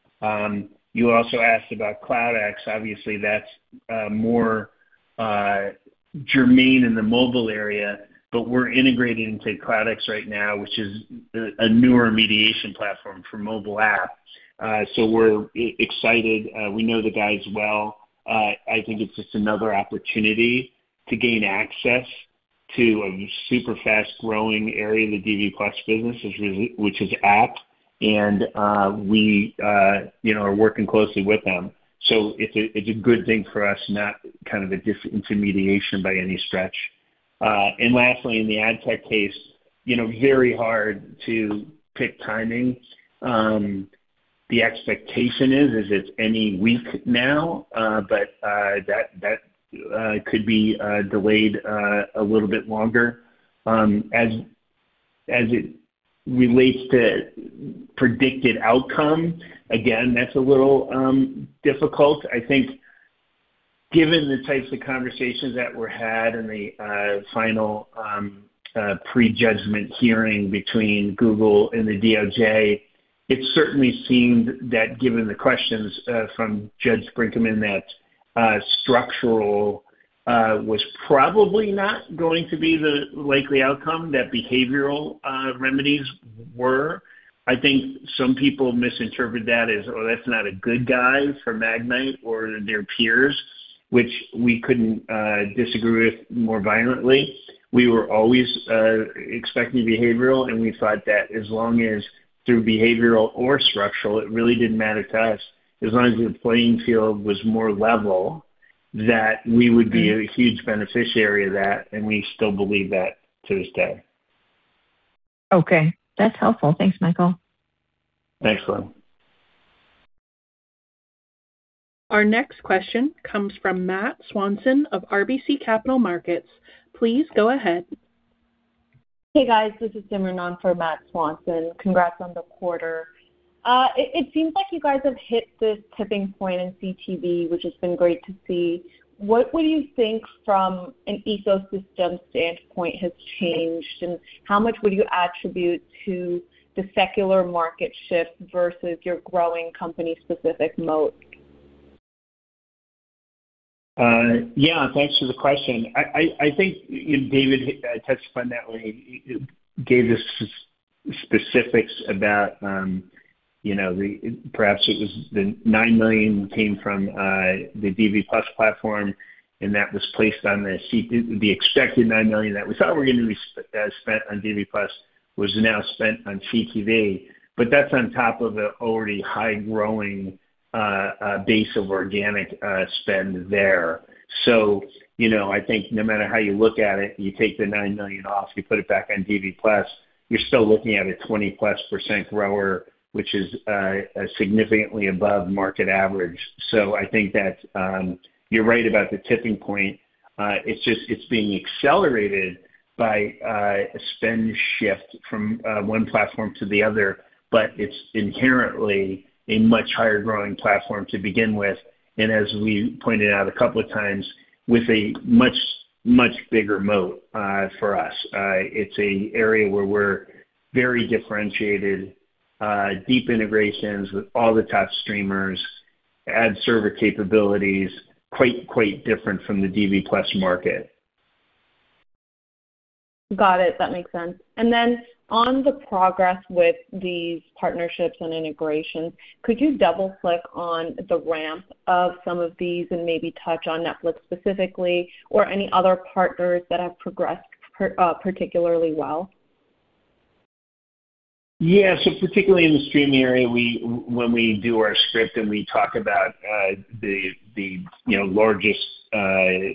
[SPEAKER 3] You also asked about MAX. Obviously, that's more germane in the mobile area, but we're integrating into MAX right now, which is a newer mediation platform for mobile app. We're e-excited. We know the guys well. I think it's just another opportunity to gain access to a super fast-growing area of the DV+ business, which is app, and we, you know, are working closely with them. It's a good thing for us, not kind of a disintermediation by any stretch. Lastly, in the ad tech case, you know, very hard to pick timing. The expectation is it's any week now, but that could be delayed a little bit longer. As it relates to predicted outcome, again, that's a little difficult. I think given the types of conversations that were had in the final prejudgment hearing between Google and the DOJ, it certainly seemed that given the questions from Judge Brinkema, that structural was probably not going to be the likely outcome, that behavioral remedies were. I think some people misinterpreted that as, "Oh, that's not a good guy for Magnite or their peers," which we couldn't disagree with more violently. We were always expecting behavioral, and we thought that as long as through behavioral or structural, it really didn't matter to us, as long as the playing field was more level, that we would be a huge beneficiary of that, and we still believe that to this day.
[SPEAKER 9] Okay. That's helpful. Thanks, Michael.
[SPEAKER 3] Thanks, Lynn.
[SPEAKER 1] Our next question comes from Matthew Swanson of RBC Capital Markets. Please go ahead.
[SPEAKER 10] Hey, guys, this is Simran for Matthew Swanson. Congrats on the quarter. It seems like you guys have hit this tipping point in CTV, which has been great to see. What would you think from an ecosystem standpoint has changed, and how much would you attribute to the secular market shift versus your growing company-specific moat?
[SPEAKER 3] Yeah, thanks for the question. I think David touched upon that when he gave us specifics about, you know. Perhaps it was the $9 million came from the DV+ platform, and that was placed on the expected $9 million that we thought were gonna be spent on DV+ was now spent on CTV. That's on top of an already high-growing base of organic spend there. You know, I think no matter how you look at it, you take the $9 million off, you put it back on DV+, you're still looking at a 20%+ grower, which is significantly above market average. I think that you're right about the tipping point. It's just, it's being accelerated by a spend shift from one platform to the other, but it's inherently a much higher growing platform to begin with, and as we pointed out a couple of times, with a much, much bigger moat for us. It's an area where we're very differentiated, deep integrations with all the top streamers, ad server capabilities, quite different from the DV+ market.
[SPEAKER 11] Got it. That makes sense. Then on the progress with these partnerships and integrations, could you double-click on the ramp of some of these and maybe touch on Netflix specifically, or any other partners that have progressed particularly well?
[SPEAKER 3] Particularly in the streaming area, we, when we do our script and we talk about, the, you know, largest, the,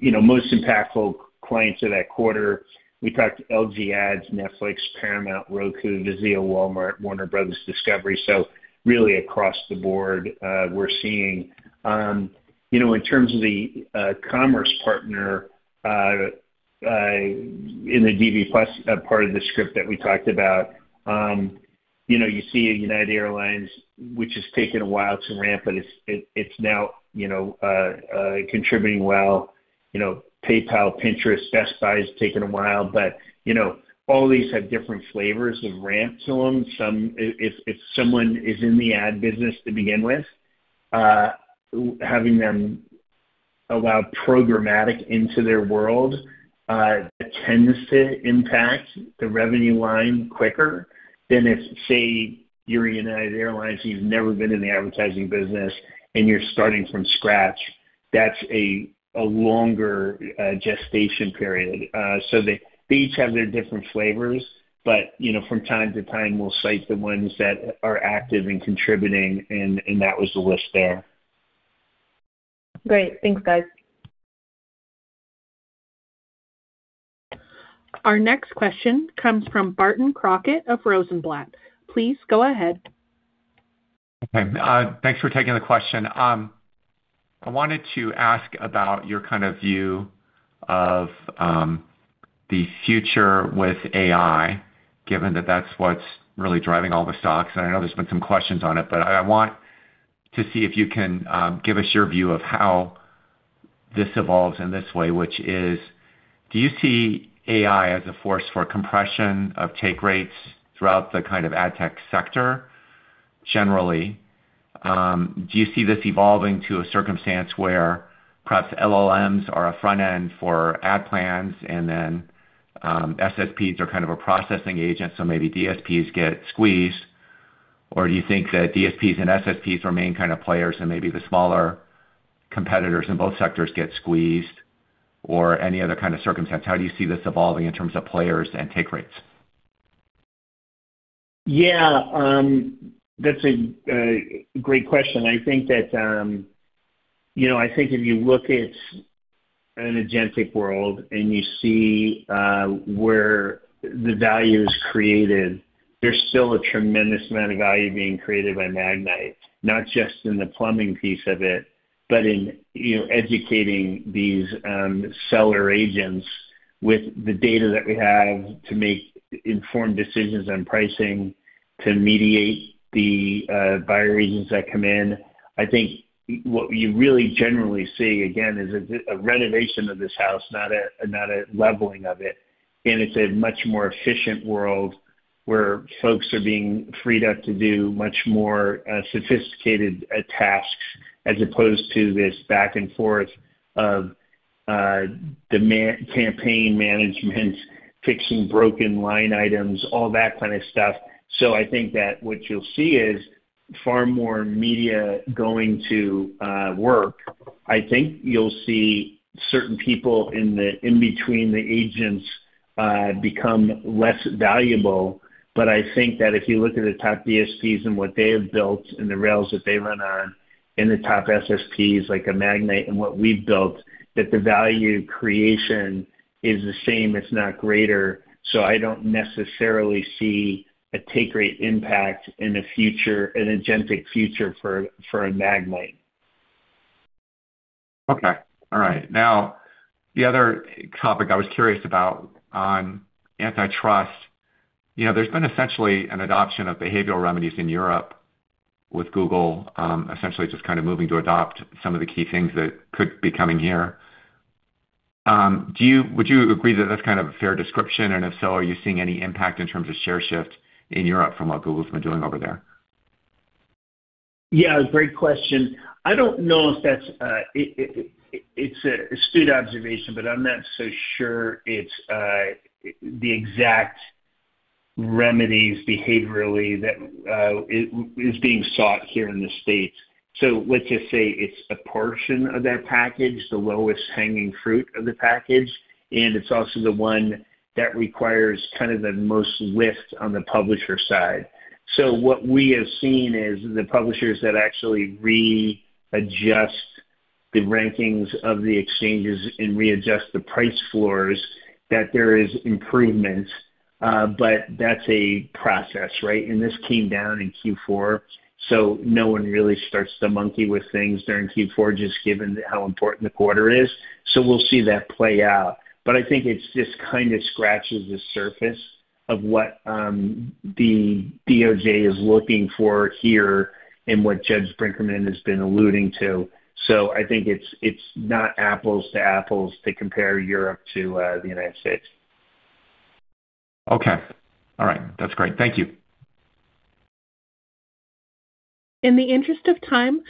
[SPEAKER 3] you know, most impactful clients of that quarter, we talked LG Ads, Netflix, Paramount, Roku, VIZIO, Walmart, Warner Bros. Discovery. really across the board, we're seeing. You know, in terms of the commerce partner, in the DV+ part of the script that we talked about, you know, you see United Airlines, which has taken a while to ramp, but it's now, you know, contributing well. You know, PayPal, Pinterest, Best Buy has taken a while, but, you know, all these have different flavors of ramps to them. Some if someone is in the ad business to begin with, having them allow programmatic into their world, tends to impact the revenue line quicker than if, say, you're United Airlines, you've never been in the advertising business, and you're starting from scratch. That's a longer gestation period. They each have their different flavors, but, you know, from time to time, we'll cite the ones that are active and contributing, and that was the list there.
[SPEAKER 11] Great. Thanks, guys.
[SPEAKER 1] Our next question comes from Barton Crockett of Rosenblatt. Please go ahead.
[SPEAKER 12] Okay. Thanks for taking the question. I wanted to ask about your kind of view of the future with AI, given that that's what's really driving all the stocks. I know there's been some questions on it, but I want to see if you can give us your view of how this evolves in this way, which is: Do you see AI as a force for compression of take rates throughout the kind of ad tech sector generally? Do you see this evolving to a circumstance where perhaps LLMs are a front end for ad plans, and then SSPs are kind of a processing agent, so maybe DSPs get squeezed? Do you think that DSPs and SSPs remain kind of players and maybe the smaller competitors in both sectors get squeezed, or any other kind of circumstance? How do you see this evolving in terms of players and take rates?
[SPEAKER 3] Yeah, that's a great question. I think that, you know, I think if you look at an agentic world and you see where the value is created, there's still a tremendous amount of value being created by Magnite, not just in the plumbing piece of it, but in, you know, educating these seller agents with the data that we have to make informed decisions on pricing, to mediate the buyer agents that come in. I think what you really generally see, again, is a renovation of this house, not a leveling of it. It's a much more efficient world where folks are being freed up to do much more sophisticated tasks, as opposed to this back and forth of demand, campaign management, fixing broken line items, all that kind of stuff. I think that what you'll see is far more media going to work. I think you'll see certain people in between the agents become less valuable. I think that if you look at the top DSPs and what they have built and the rails that they run on, and the top SSPs like a Magnite and what we've built, that the value creation is the same, if not greater. I don't necessarily see a take rate impact in the future, an agentic future for a Magnite.
[SPEAKER 12] Okay. All right. Now, the other topic I was curious about on antitrust. You know, there's been essentially an adoption of behavioral remedies in Europe with Google, essentially just kind of moving to adopt some of the key things that could be coming here. Would you agree that that's kind of a fair description? If so, are you seeing any impact in terms of share shift in Europe from what Google's been doing over there?
[SPEAKER 3] Yeah, great question. I don't know if that's. It's a astute observation, but I'm not so sure it's the exact remedies behaviorally that is being sought here in the States. Let's just say it's a portion of that package, the lowest hanging fruit of the package, and it's also the one that requires kind of the most lift on the publisher side. What we have seen is the publishers that actually readjust the rankings of the exchanges and readjust the price floors, that there is improvement, but that's a process, right? This came down in Q4, so no one really starts to monkey with things during Q4, just given how important the quarter is. We'll see that play out. I think it's just kind of scratches the surface of what the DOJ is looking for here and what Judge Brinkema has been alluding to. I think it's not apples to apples to compare Europe to the United States.
[SPEAKER 12] Okay. All right, that's great. Thank you.
[SPEAKER 1] In the interest of time,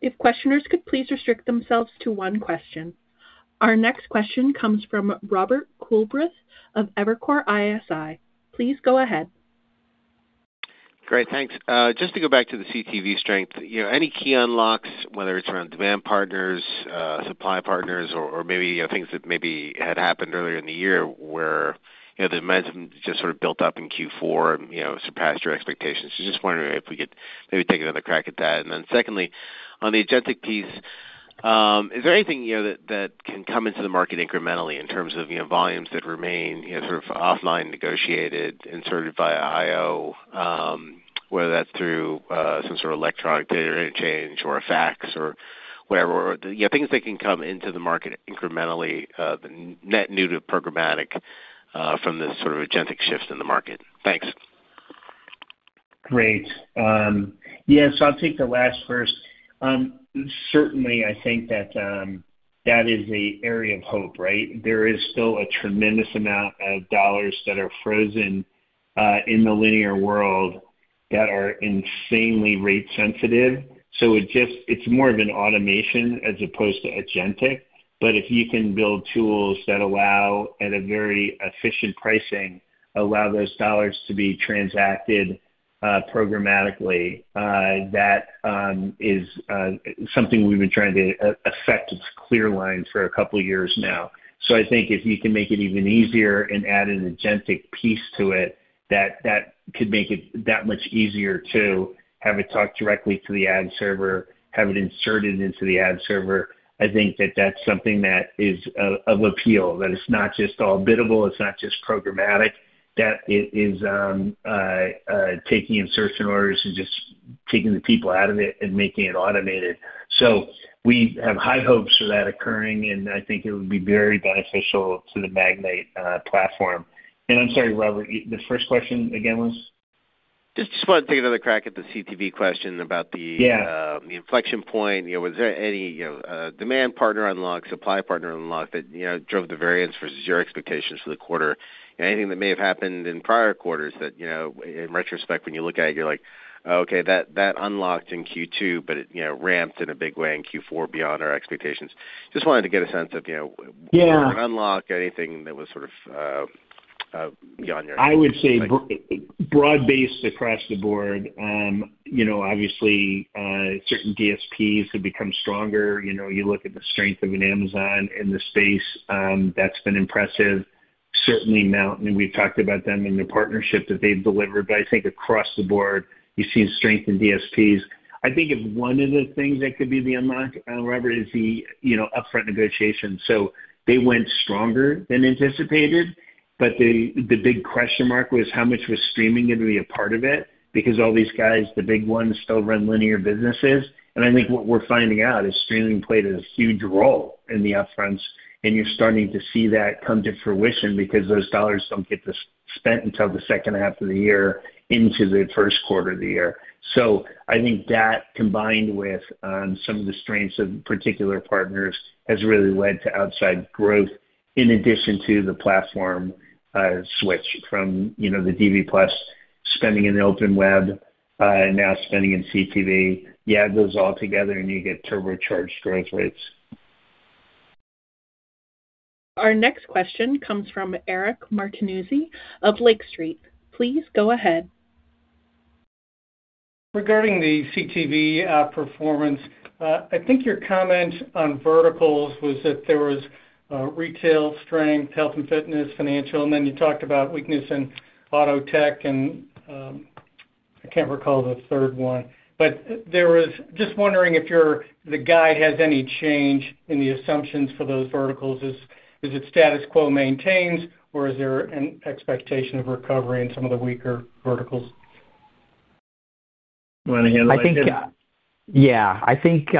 [SPEAKER 1] if questioners could please restrict themselves to one question. Our next question comes from Robert Coolbrith of Evercore ISI. Please go ahead.
[SPEAKER 13] Great, thanks. Just to go back to the CTV strength, you know, any key unlocks, whether it's around demand partners, supply partners or maybe, you know, things that maybe had happened earlier in the year where, you know, the momentum just sort of built up in Q4 and, you know, surpassed your expectations. Just wondering if we could maybe take another crack at that. Secondly, on the agentic piece, is there anything you know, that can come into the market incrementally in terms of, you know, volumes that remain, you know, sort of offline, negotiated, inserted via IO, whether that's through, some sort of electronic data interchange or a fax or wherever, you know, things that can come into the market incrementally, net new to programmatic, from this sort of agentic shift in the market? Thanks.
[SPEAKER 3] Great. I'll take the last first. Certainly, I think that that is a area of hope, right? There is still a tremendous amount of dollars that are frozen in the linear world that are insanely rate sensitive. It's more of an automation as opposed to agentic. If you can build tools that allow, at a very efficient pricing, allow those dollars to be transacted programmatically, that is something we've been trying to effect its ClearLine for a couple years now. I think if you can make it even easier and add an agentic piece to it, that could make it that much easier to have it talk directly to the ad server, have it inserted into the ad server. I think that that's something that is of appeal, that it's not just all biddable, it's not just programmatic, that it is taking insertion orders and just taking the people out of it and making it automated. We have high hopes for that occurring, and I think it would be very beneficial to the Magnite platform. I'm sorry, Robert, the first question again was?
[SPEAKER 13] Just wanted to take another crack at the CTV question about.
[SPEAKER 3] Yeah.
[SPEAKER 13] - the inflection point. You know, was there any, you know, demand partner unlock, supply partner unlock that, you know, drove the variance versus your expectations for the quarter? Anything that may have happened in prior quarters that, you know, in retrospect, when you look at it, you're like: Okay, that unlocked in Q2, but it, you know, ramped in a big way in Q4 beyond our expectations. Just wanted to get a sense of, you know-
[SPEAKER 3] Yeah.
[SPEAKER 13] Unlock anything that was sort of, beyond your-.
[SPEAKER 3] I would say broad-based across the board. you know, obviously, certain DSPs have become stronger. You know, you look at the strength of an Amazon in the space, that's been impressive. Certainly, MNTN, and we've talked about them and the partnership that they've delivered, but I think across the board you see strength in DSPs. I think if one of the things that could be the unlock, Robert, is the, you know, upfront negotiations. So they went stronger than anticipated, but the big question mark was: How much was streaming going to be a part of it? Because all these guys, the big ones, still run linear businesses. I think what we're finding out is streaming played a huge role in the upfronts, and you're starting to see that come to fruition because those dollars don't get spent until the second half of the year into the first quarter of the year. I think that, combined with some of the strengths of particular partners, has really led to outside growth, in addition to the platform switch from, you know, the DV+ spending in the open web, and now spending in CTV. You add those all together, and you get turbocharged growth rates.
[SPEAKER 1] Our next question comes from Eric Martinuzzi of Lake Street. Please go ahead.
[SPEAKER 14] Regarding the CTV performance, I think your comment on verticals was that there was retail strength, health and fitness, financial, and then you talked about weakness in auto, tech, and I can't recall the third one. Just wondering if your, the guide has any change in the assumptions for those verticals. Is it status quo maintains, or is there an expectation of recovery in some of the weaker verticals?
[SPEAKER 3] You want to handle that, David?
[SPEAKER 4] I think, yeah. I think,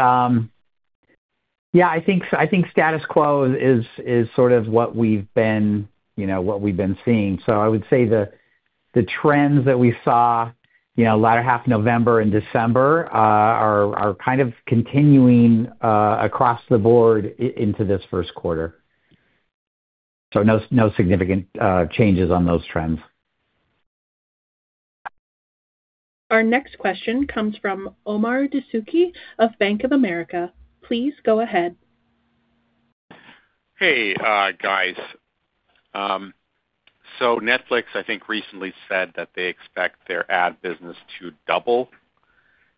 [SPEAKER 4] yeah, I think status quo is sort of what we've been, you know, what we've been seeing. I would say the trends that we saw, you know, latter half of November and December are kind of continuing across the board into this first quarter. No significant changes on those trends.
[SPEAKER 1] Our next question comes from Omar Dessouky of Bank of America. Please go ahead.
[SPEAKER 15] Hey, guys. Netflix, I think, recently said that they expect their ad business to double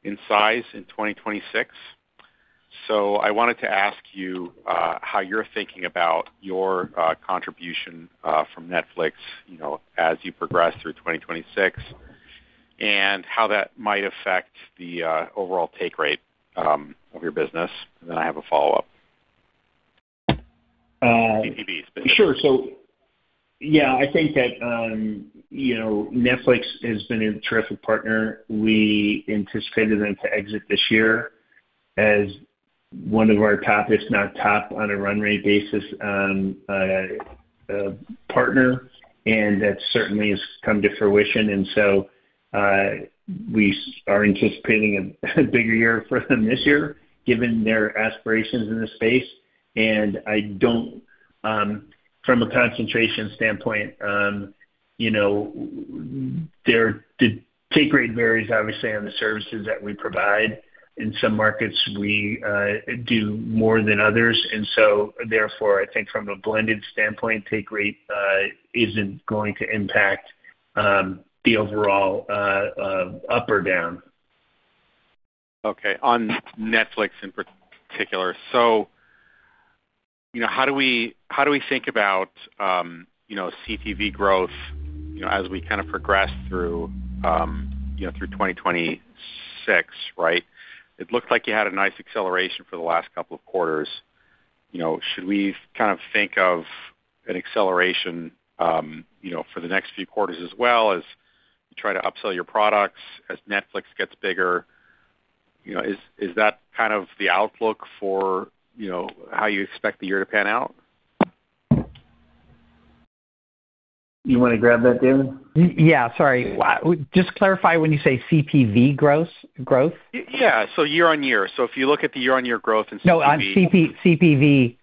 [SPEAKER 15] in size in 2026. I wanted to ask you how you're thinking about your contribution from Netflix, you know, as you progress through 2026, and how that might affect the overall take rate of your business. I have a follow-up.
[SPEAKER 3] Uh-
[SPEAKER 15] CPVs.
[SPEAKER 3] Sure. Yeah, I think that, you know, Netflix has been a terrific partner. We anticipated them to exit this year as one of our toppest, if not top, on a run rate basis, partner, and that certainly has come to fruition. We are anticipating a bigger year for them this year, given their aspirations in this space, and I don't. From a concentration standpoint, you know, the take rate varies, obviously, on the services that we provide. In some markets, we do more than others, and so therefore, I think from a blended standpoint, take rate isn't going to impact the overall up or down.
[SPEAKER 15] Okay. On Netflix in particular, you know, how do we think about, you know, CTV growth, you know, as we kind of progress through, you know, through 2026, right? It looked like you had a nice acceleration for the last couple of quarters. You know, should we kind of think of an acceleration, you know, for the next few quarters as well, as you try to upsell your products, as Netflix gets bigger? You know, is that kind of the outlook for, you know, how you expect the year to pan out?
[SPEAKER 3] You want to grab that, David?
[SPEAKER 4] Yeah, sorry. Just clarify when you say CPV gross, growth?
[SPEAKER 15] Yeah. Year-on-year. If you look at the year-on-year growth in CPV-
[SPEAKER 4] No, on CP, CPV.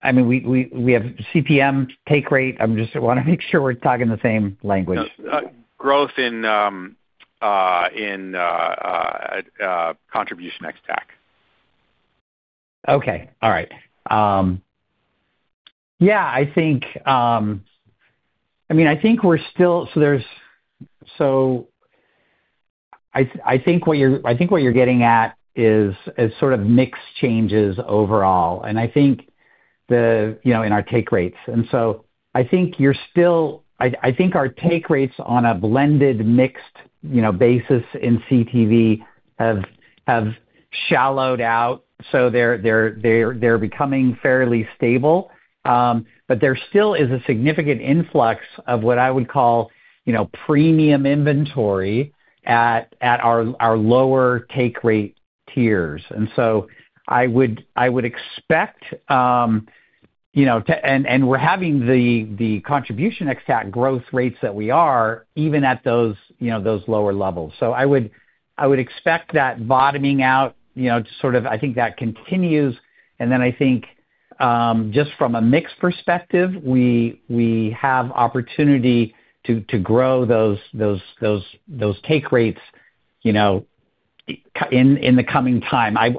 [SPEAKER 4] I mean, we have CPM take rate. I'm just want to make sure we're talking the same language.
[SPEAKER 15] No, growth in Contribution ex-TAC.
[SPEAKER 4] Okay. All right. Yeah, I think, I think we're still, I think what you're getting at is sort of mix changes overall, and I think the, you know, in our take rates. I think you're still, I think our take rates on a blended, mixed, you know, basis in CTV have shallowed out, so they're becoming fairly stable. There still is a significant influx of what I would call, you know, premium inventory at our lower take rate tiers. I would expect, you know, to... We're having the Contribution ex-TAC growth rates that we are, even at those, you know, those lower levels. I would expect that bottoming out, you know, sort of, I think that continues. I think, just from a mix perspective, we have opportunity to grow those take rates, you know, in the coming time. I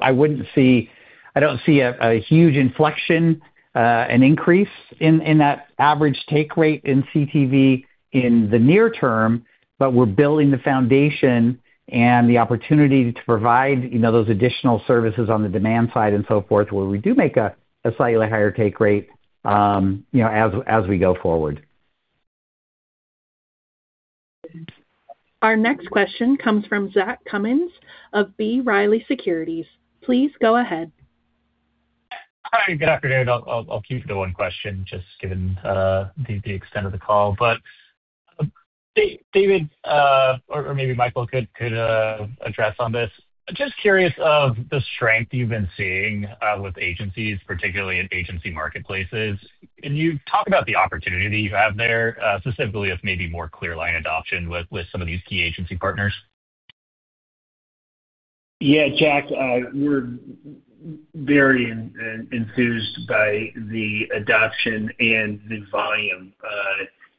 [SPEAKER 4] don't see a huge inflection, an increase in that average take rate in CTV in the near term, but we're building the foundation and the opportunity to provide, you know, those additional services on the demand side and so forth, where we do make a slightly higher take rate, you know, as we go forward.
[SPEAKER 1] Our next question comes from Zach Cummins of B. Riley Securities. Please go ahead.
[SPEAKER 16] Hi, good afternoon. I'll keep it to one question, just given the extent of the call. David, or maybe Michael could address on this. Just curious of the strength you've been seeing with agencies, particularly in agency marketplaces. Can you talk about the opportunity you have there, specifically with maybe more ClearLine adoption with some of these key agency partners?
[SPEAKER 3] Yeah, Zach, we're very enthused by the adoption and the volume.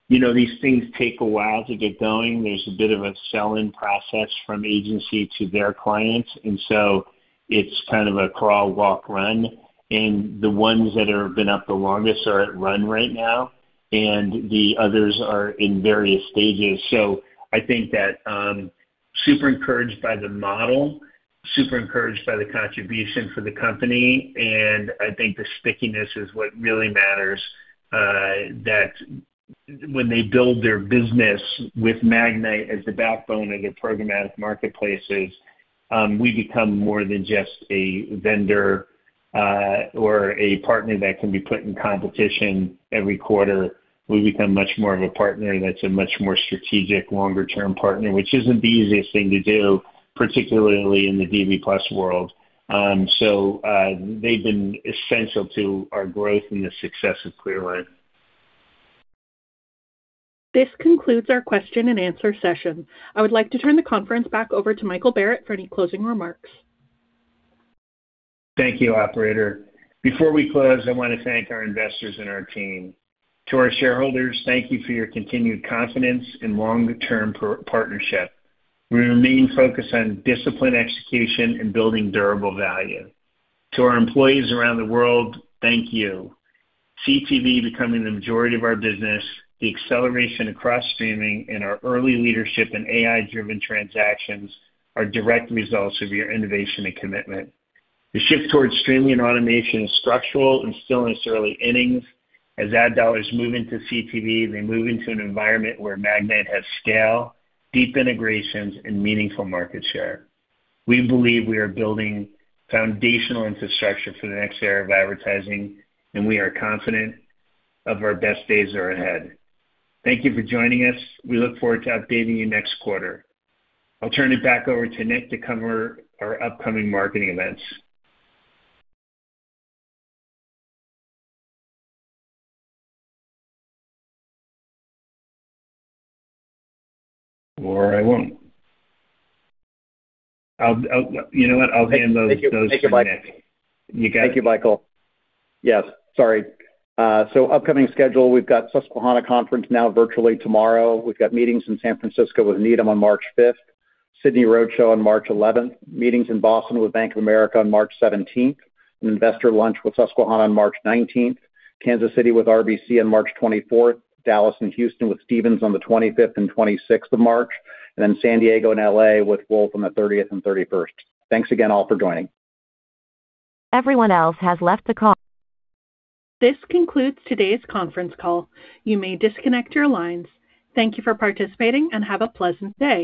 [SPEAKER 3] You know, these things take a while to get going. There's a bit of a sell-in process from agency to their clients, and so it's kind of a crawl, walk, run. The ones that have been up the longest are at run right now, and the others are in various stages. I think that, super encouraged by the model, super encouraged by the contribution for the company, and I think the stickiness is what really matters. That when they build their business with Magnite as the backbone of their programmatic marketplaces, we become more than just a vendor, or a partner that can be put in competition every quarter. We become much more of a partner that's a much more strategic, longer-term partner, which isn't the easiest thing to do, particularly in the DV+ world. They've been essential to our growth and the success of ClearLine.
[SPEAKER 1] This concludes our question and answer session. I would like to turn the conference back over to Michael Barrett for any closing remarks.
[SPEAKER 3] Thank you, operator. Before we close, I want to thank our investors and our team. To our shareholders, thank you for your continued confidence and long-term partnership. We remain focused on disciplined execution and building durable value. To our employees around the world, thank you. CTV becoming the majority of our business, the acceleration across streaming, and our early leadership in AI-driven transactions are direct results of your innovation and commitment. The shift towards streaming and automation is structural and still in its early innings. As ad dollars move into CTV, they move into an environment where Magnite has scale, deep integrations, and meaningful market share. We believe we are building foundational infrastructure for the next era of advertising, and we are confident of our best days are ahead. Thank you for joining us. We look forward to updating you next quarter. I'll turn it back over to Nick to cover our upcoming marketing events. I won't. I'll. You know what? I'll hand those to Nick.
[SPEAKER 2] Thank you, Michael. You got it? Thank you, Michael. Yes, sorry. Upcoming schedule, we've got Susquehanna Conference now virtually tomorrow. We've got meetings in San Francisco with Needham on March 5th, Sydney Roadshow on March 11th, meetings in Boston with Bank of America on March 17th, an investor lunch with Susquehanna on March 19th, Kansas City with RBC on March 24th, Dallas and Houston with Stephens on the 25th and 26th of March, and then San Diego and LA with Wolfe on the 30th and 31st. Thanks again all for joining.
[SPEAKER 1] Everyone else has left the call. This concludes today's conference call. You may disconnect your lines. Thank you for participating and have a pleasant day.